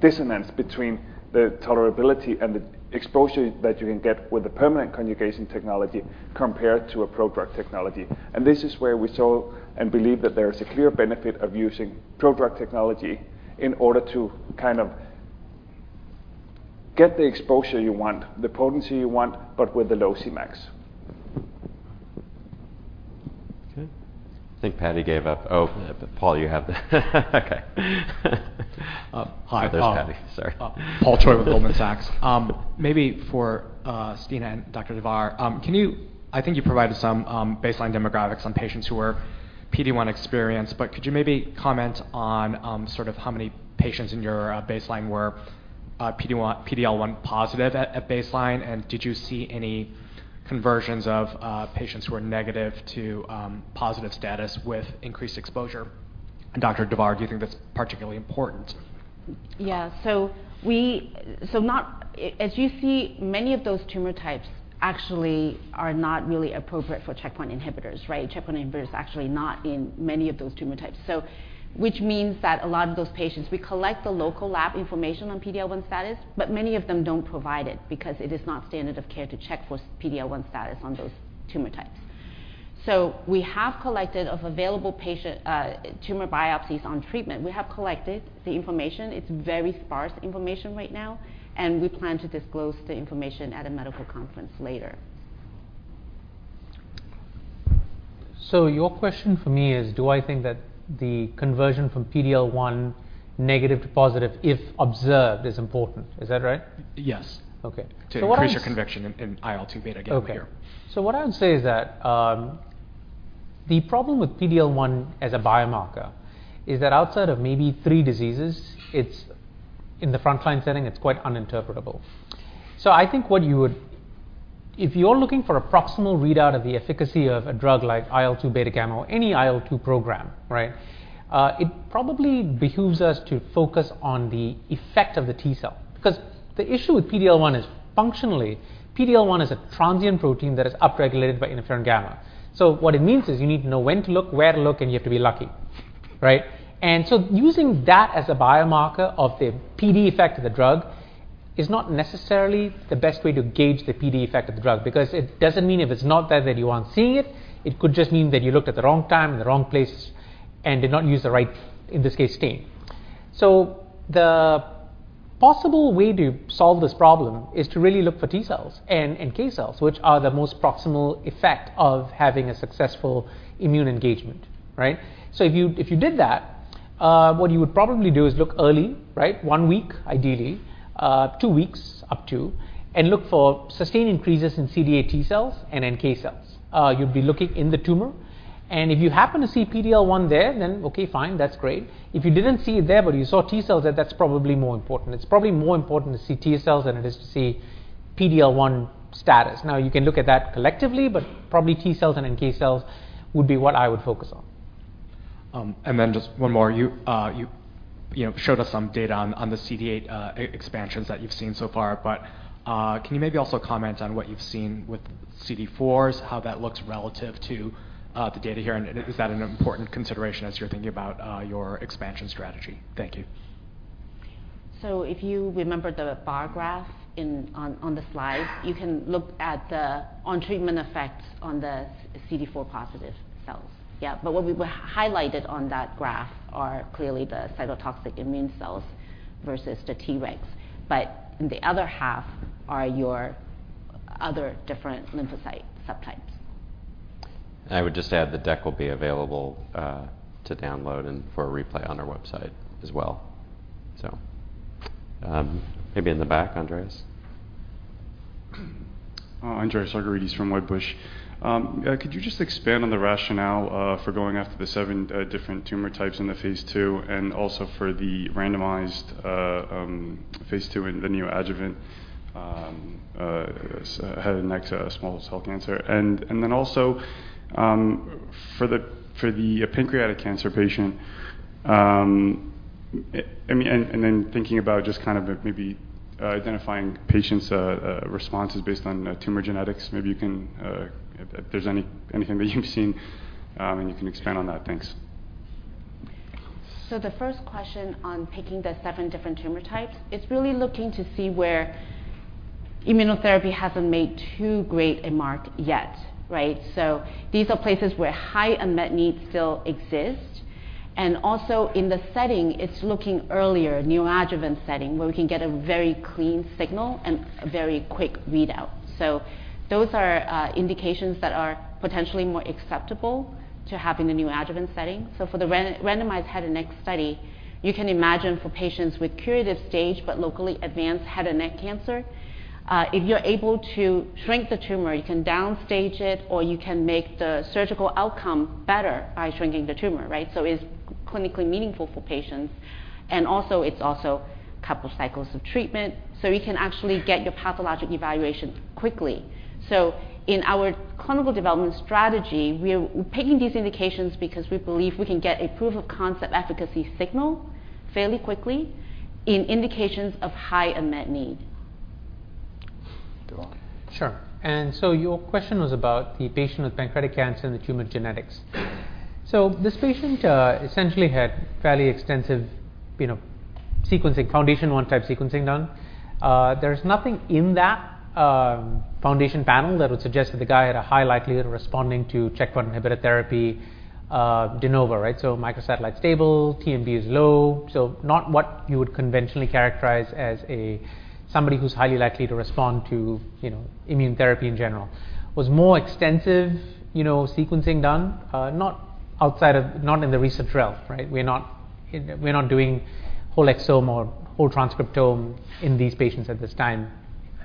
dissonance between the tolerability and the exposure that you can get with the permanent conjugation technology compared to a prodrug technology. This is where we saw and believe that there is a clear benefit of using prodrug technology in order to, kind of, get the exposure you want, the potency you want, but with a low Cmax. Okay. I think Patty gave up. Paul, you have the... Okay. Hi, Paul. There's Patty. Sorry. Paul Choi with Goldman Sachs. Maybe for Stine and Dr. Davar: I think you provided some baseline demographics on patients who were PD-1 experienced, but could you maybe comment on sort of how many patients in your baseline were PD-L1 positive at baseline, and did you see any conversions of patients who are negative to positive status with increased exposure? Dr. Devar, do you think that's particularly important? Yeah. as you see, many of those tumor types actually are not really appropriate for checkpoint inhibitors, right? Checkpoint inhibitor is actually not in many of those tumor types. Which means that a lot of those patients, we collect the local lab information on PD-L1 status, but many of them don't provide it because it is not standard of care to check for PD-L1 status on those tumor types. We have collected of available patient tumor biopsies on treatment. We have collected the information. It's very sparse information right now, and we plan to disclose the information at a medical conference later. Your question for me is, do I think that the conversion from PD-L1 negative to positive, if observed, is important? Is that right? Yes. Okay. what I. To increase your conviction in IL-2 β/γ here. Okay. What I would say is that the problem with PD-L1 as a biomarker is that outside of maybe three diseases, in the front line setting, it's quite uninterpretable. I think if you're looking for a proximal readout of the efficacy of a drug like IL-2 β/γ or any IL-2 program, right, it probably behooves us to focus on the effect of the T cell. Because the issue with PD-L1 is functionally, PD-L1 is a transient protein that is upregulated by IFN-γ. What it means is you need to know when to look, where to look, and you have to be lucky, right? Using that as a biomarker of the PD effect of the drug is not necessarily the best way to gauge the PD effect of the drug, because it doesn't mean if it's not there that you aren't seeing it. It could just mean that you looked at the wrong time, in the wrong place, and did not use the right, in this case, stain. The possible way to solve this problem is to really look for T cells and NK cells, which are the most proximal effect of having a successful immune engagement, right? If you did that, what you would probably do is look early, right? one week, ideally, two weeks, up to, and look for sustained increases in CD8 T cells and NK cells. You'd be looking in the tumor, if you happen to see PD-L1 there, then okay, fine, that's great. If you didn't see it there, you saw T cells there, that's probably more important. It's probably more important to see T cells than it is to see PD-L1 status. You can look at that collectively, probably T cells and NK cells would be what I would focus on. Then just one more. You, you know, showed us some data on the CD8 expansions that you've seen so far. Can you maybe also comment on what you've seen with CD4s, how that looks relative to the data here? Is that an important consideration as you're thinking about your expansion strategy? Thank you. If you remember the bar graph on the slide, you can look at the on-treatment effects on the CD4 positive cells. What we were highlighted on that graph are clearly the cytotoxic immune cells versus the Tregs. The other half are your other different lymphocyte subtypes. I would just add, the deck will be available to download and for a replay on our website as well. Maybe in the back, Andreas? Andreas Argyrides from Wedbush. Could you just expand on the rationale for going after the seven different tumor types in the phase II, and also for the randomized phase II in the neoadjuvant head and neck small cell cancer? Then also for the pancreatic cancer patient, I mean, and then thinking about just kind of maybe identifying patients' responses based on tumor genetics, maybe you can if there's anything that you've seen, and you can expand on that. Thanks. The first question on picking the seven different tumor types, it's really looking to see where immunotherapy hasn't made too great a mark yet, right? These are places where high unmet needs still exist, and also in the setting, it's looking earlier, neoadjuvant setting, where we can get a very clean signal and a very quick readout. Those are indications that are potentially more acceptable to have in the neoadjuvant setting. For the randomized head and neck study, you can imagine for patients with curative stage but locally advanced head and neck cancer, if you're able to shrink the tumor, you can downstage it, or you can make the surgical outcome better by shrinking the tumor, right? It's clinically meaningful for patients, and also it's also a couple of cycles of treatment, so you can actually get your pathologic evaluations quickly. In our clinical development strategy, we are picking these indications because we believe we can get a proof of concept efficacy signal fairly quickly in indications of high unmet need. Davar? Sure. Your question was about the patient with pancreatic cancer and the tumor genetics. This patient, essentially had fairly extensive, you know, sequencing, FoundationOne-type sequencing done. There's nothing in that foundation panel that would suggest that the guy had a high likelihood of responding to checkpoint inhibitor therapy, de novo, right? Microsatellite stable, TMB is low, so not what you would conventionally characterize as a somebody who's highly likely to respond to, you know, immune therapy in general. Was more extensive, you know, sequencing done? Not in the recent trial, right? We're not doing whole exome or whole transcriptome in these patients at this time.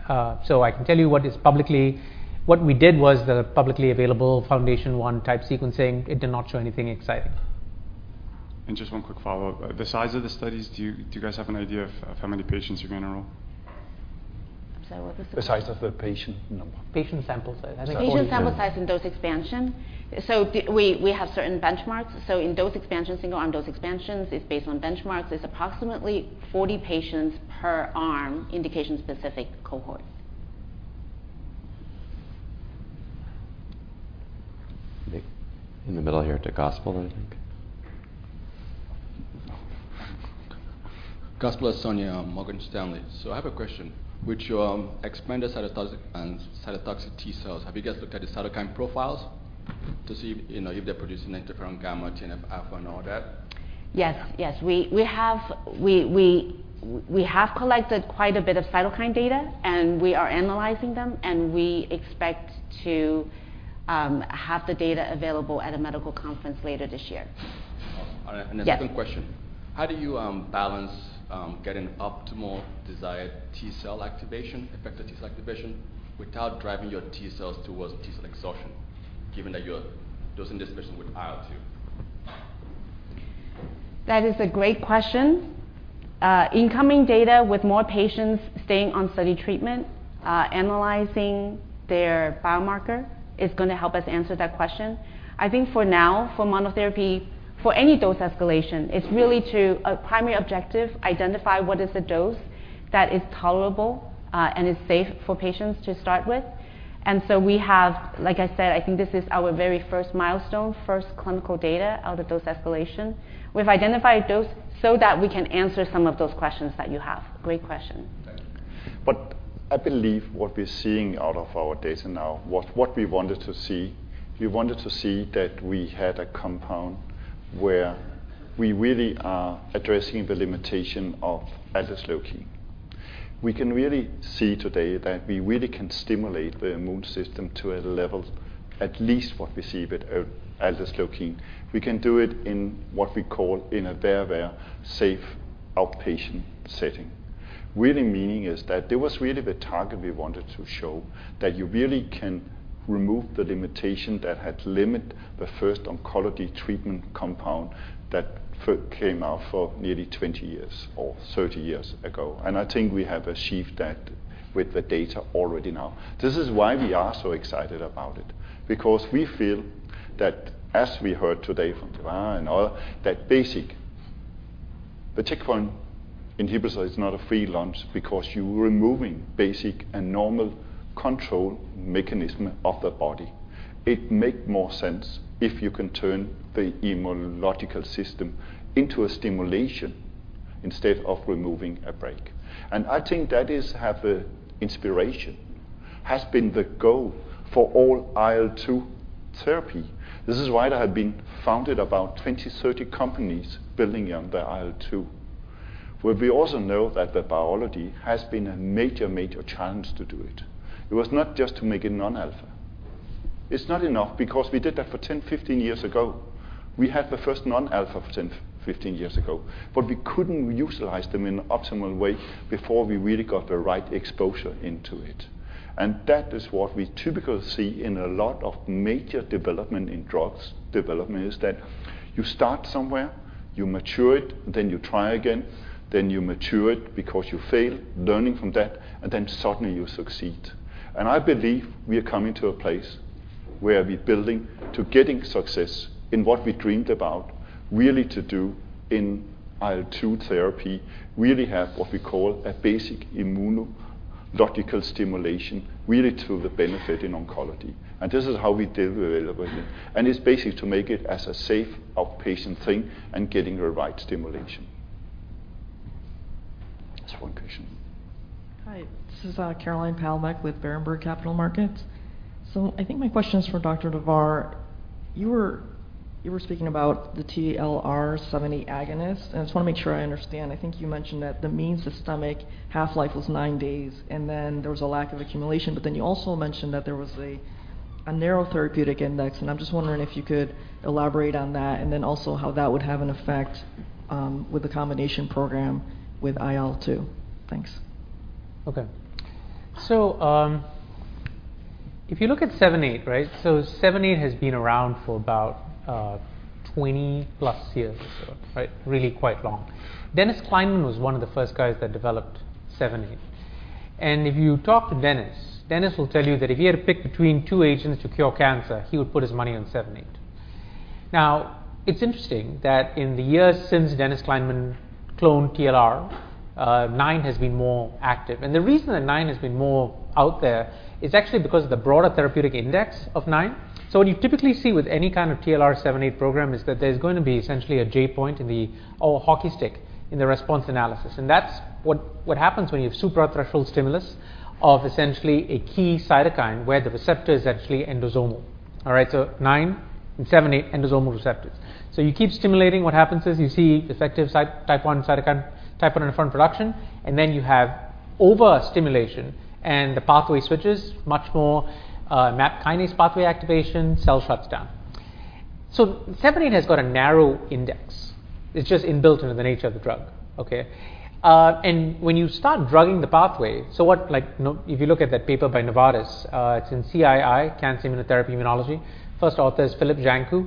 I can tell you what we did was the publicly available FoundationOne-type sequencing. It did not show anything exciting. Just one quick follow-up. The size of the studies, do you guys have an idea of how many patients you're going to enroll? I'm sorry, what was the? The size of the patient number. Patient sample size. Patient sample size in dose expansion? we have certain benchmarks. In dose expansion, single-arm dose expansions, is based on benchmarks, is approximately 40 patients per arm, indication-specific cohorts. In the middle here, to Gospel, I think. I have a question. Which, expanded cytotoxic and cytotoxic T cells, have you guys looked at the cytokine profiles to see, you know, if they're producing IFN-γ, TNF-α, and all that? Yes. Yes, we have collected quite a bit of cytokine data, and we are analyzing them, and we expect to have the data available at a medical conference later this year. Awesome. Yes. A second question: How do you balance getting optimal desired T cell activation, effective T cell activation, without driving your T cells towards T cell exhaustion, given that you're dosing this patient with IL-2? That is a great question. Incoming data with more patients staying on study treatment, analyzing their biomarker, is gonna help us answer that question. I think for now, for monotherapy, for any dose escalation, it's really to, a primary objective, identify what is the dose that is tolerable and is safe for patients to start with. Like I said, I think this is our very first milestone, first clinical data out of dose escalation. We've identified a dose so that we can answer some of those questions that you have. Great question. Thank you. I believe what we're seeing out of our data now, what we wanted to see, we wanted to see that we had a compound where we really are addressing the limitation of aldesleukin. We can really see today that we really can stimulate the immune system to a level at least what we see with aldesleukin. We can do it in what we call in a very, very safe outpatient setting. Really meaning is that there was really the target we wanted to show, that you really can remove the limitation that had limited the first oncology treatment compound that came out for nearly 20 years or 30 years ago. I think we have achieved that with the data already now. This is why we are so excited about it. We feel that, as we heard today from Davar and all, that the checkpoint inhibitor is not a free lunch because you're removing basic and normal control mechanism of the body. It make more sense if you can turn the immunological system into a stimulation instead of removing a brake. I think that is have a inspiration, has been the goal for all IL-2 therapy. This is why there have been founded about 20, 30 companies building on the IL-2. We also know that the biology has been a major challenge to do it. It was not just to make it non-alpha. It's not enough, because we did that for 10, 15 years ago. We had the first non-alpha 10, 15 years ago, but we couldn't utilize them in an optimal way before we really got the right exposure into it. That is what we typically see in a lot of major development in drugs. Development is that you start somewhere, you mature it, then you try again, then you mature it because you fail, learning from that, and then suddenly you succeed. I believe we are coming to a place where we're building to getting success in what we dreamed about, really to do in IL-2 therapy, really have what we call a basic immunological stimulation, really to the benefit in oncology. This is how we deliver it. It's basically to make it as a safe outpatient thing and getting the right stimulation. Just one question. Hi, this is Caroline Palomeque with Berenberg Capital Markets. I think my question is for Dr. Davar. You were speaking about the TLR7/8 agonist, and I just want to make sure I understand. I think you mentioned that the mean systemic half-life was nine days, and then there was a lack of accumulation. You also mentioned that there was a narrow therapeutic index, and I'm just wondering if you could elaborate on that, and then also how that would have an effect with the combination program with IL-2. Thanks. If you look at TLR7/8, right? 7/8 has been around for about 20+ years or so, right? Really quite long. Dennis Klinman was one of the first guys that developed 7/8. If you talk to Dennis will tell you that if he had to pick between two agents to cure cancer, he would put his money on 7/8. It's interesting that in the years since Dennis Klinman cloned TLR9 has been more active. The reason that nine has been more out there is actually because of the broader therapeutic index of nine. What you typically see with any kind of TLR7/8 program is that there's going to be essentially a J point or a hockey stick in the response analysis. That's what happens when you have supra-threshold stimulus of essentially a key cytokine where the receptor is actually endosomal. All right, TLR9 and TLR7/8 endosomal receptors. You keep stimulating, what happens is you see effective type one cytokine, type I interferon production, then you have overstimulation, the pathway switches much more, MAP kinase pathway activation, cell shuts down. TLR7/8 has got a narrow index. It's just inbuilt into the nature of the drug, okay? When you start drugging the pathway, so what like, you know, if you look at that paper by Novartis, it's in CII, Cancer Immunology, Immunotherapy. First author is Filip Janku,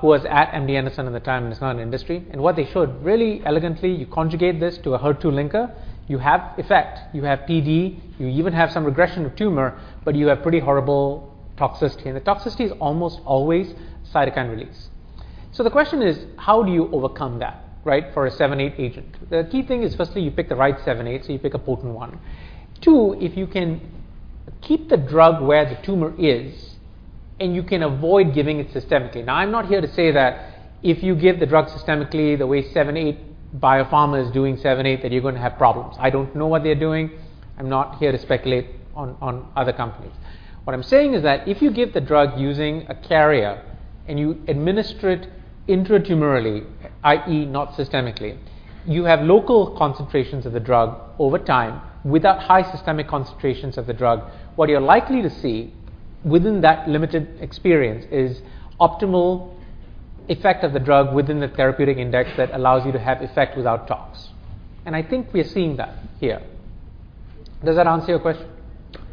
who was at MD Anderson at the time, and is now in industry. What they showed really elegantly, you conjugate this to a HER2 linker. You have effect, you have PD, you even have some regression of tumor, but you have pretty horrible toxicity. The toxicity is almost always cytokine release. The question is: how do you overcome that, right, for a seven, eight agent? The key thing is, firstly, you pick the right seven, eight, so you pick a potent one. Two, if you can keep the drug where the tumor is, and you can avoid giving it systemically. I'm not here to say that if you give the drug systemically, the way Seven and Eight Biopharma is doing seven, eight, that you're gonna have problems. I don't know what they're doing. I'm not here to speculate on other companies. What I'm saying is that if you give the drug using a carrier and you administer it intratumorally, i.e., not systemically, you have local concentrations of the drug over time without high systemic concentrations of the drug. What you're likely to see within that limited experience is optimal effect of the drug within the therapeutic index that allows you to have effect without tox. I think we are seeing that here. Does that answer your question?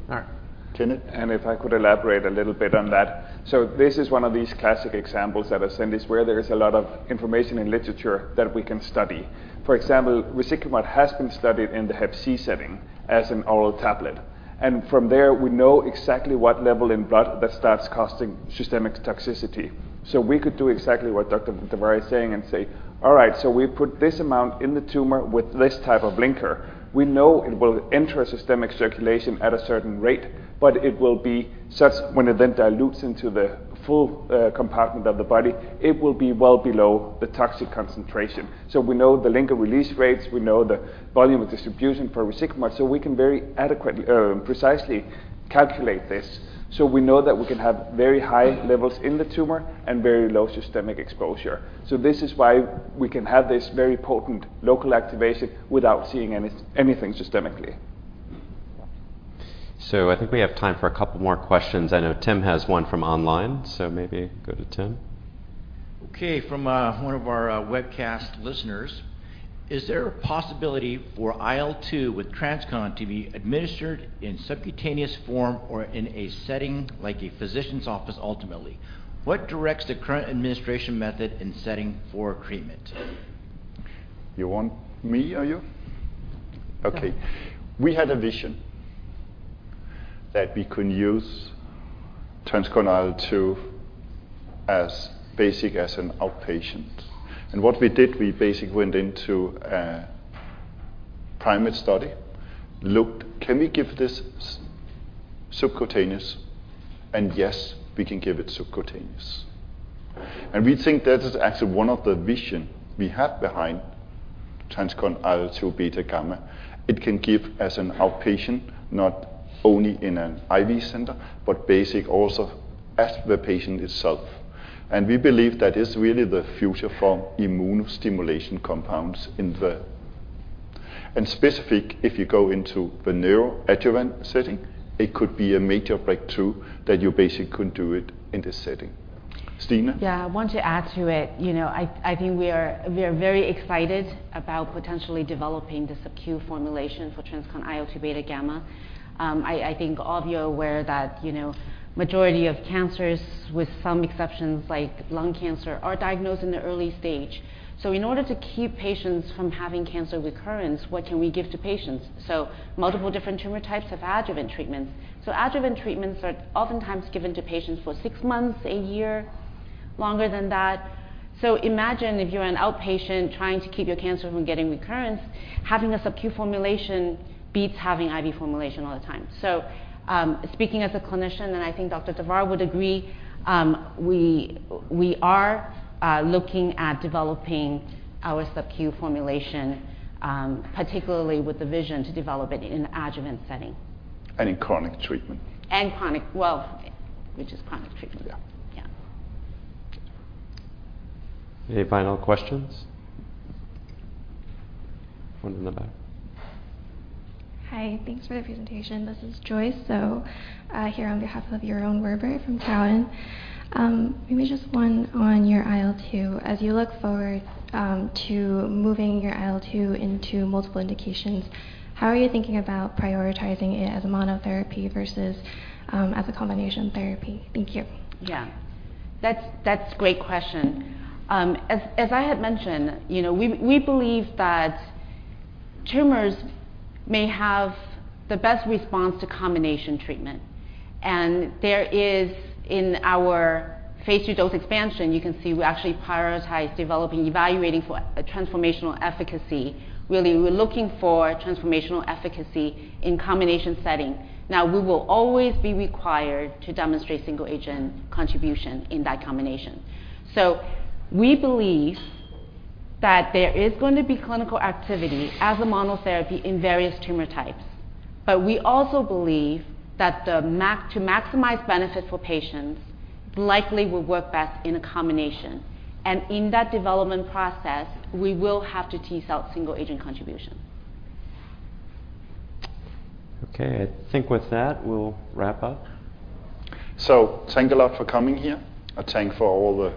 All right. Jenner? If I could elaborate a little bit on that. This is one of these classic examples that Ascendis, where there is a lot of information in literature that we can study. For example, resiquimod has been studied in the hep C setting as an oral tablet, and from there we know exactly what level in blood that starts causing systemic toxicity. We could do exactly what Dr. Davar is saying and say, "All right, so we put this amount in the tumor with this type of linker. We know it will enter a systemic circulation at a certain rate, but it will be such when it then dilutes into the full compartment of the body, it will be well below the toxic concentration. We know the linker release rates, we know the volume of distribution for resiquimod, so we can very adequately precisely calculate this. We know that we can have very high levels in the tumor and very low systemic exposure. This is why we can have this very potent local activation without seeing anything systemically. I think we have time for a couple more questions. I know Tim has one from online, so maybe go to Tim. Okay, from, one of our, webcast listeners: Is there a possibility for IL-2 with TransCon to be administered in subcutaneous form or in a setting like a physician's office, ultimately? What directs the current administration method in setting for a treatment? You want me or you? Okay. We had a vision that we could use TransCon IL-2 as basic as an outpatient. What we did, we basically went into a primate study, looked, "Can we give this subcutaneous?" Yes, we can give it subcutaneous. We think that is actually one of the vision we have behind TransCon IL-2 β/γ. It can give as an outpatient, not only in an IV center, but basic also as the patient itself. We believe that is really the future for immune stimulation compounds in the... Specific, if you go into the neoadjuvant setting, it could be a major breakthrough that you basically could do it in this setting. Stina? Yeah, I want to add to it. You know, I think we are very excited about potentially developing the subQ formulation for TransCon IL-2 β/γ. I think all of you are aware that, you know, majority of cancers, with some exceptions like lung cancer, are diagnosed in the early stage. In order to keep patients from having cancer recurrence, what can we give to patients? Multiple different tumor types have adjuvant treatments. Adjuvant treatments are oftentimes given to patients for six months, one year, longer than that. Imagine if you're an outpatient trying to keep your cancer from getting recurrence, having a subQ formulation beats having IV formulation all the time. Speaking as a clinician, and I think Dr. Diwakar Davar would agree, we are looking at developing our subQ formulation, particularly with the vision to develop it in an adjuvant setting. In chronic treatment. Well, which is chronic treatment. Yeah. Yeah. Any final questions? One in the back. Hi, thanks for the presentation. This is Joyce Zhou, here on behalf of Yaron Werber from Cowen. Maybe just one on your IL-2. As you look forward to moving your IL-2 into multiple indications, how are you thinking about prioritizing it as a monotherapy versus as a combination therapy? Thank you. Yeah. That's great question. As I had mentioned, you know, we believe that tumors may have the best response to combination treatment. There is, in our phase II dose expansion, you can see we actually prioritize developing, evaluating for a transformational efficacy. Really, we're looking for transformational efficacy in combination setting. We will always be required to demonstrate single agent contribution in that combination. We believe that there is going to be clinical activity as a monotherapy in various tumor types, but we also believe that to maximize benefit for patients, likely will work best in a combination. In that development process, we will have to tease out single agent contribution. Okay. I think with that, we'll wrap up. Thank you all for coming here, thank for all the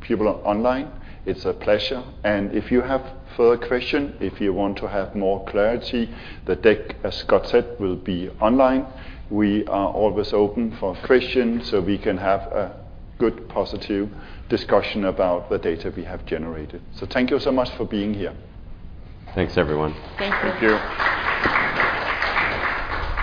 people online. It's a pleasure. If you have further question, if you want to have more clarity, the deck, as Scott said, will be online. We are always open for questions, so we can have a good, positive discussion about the data we have generated. Thank you so much for being here. Thanks, everyone. Thank you. Thank you.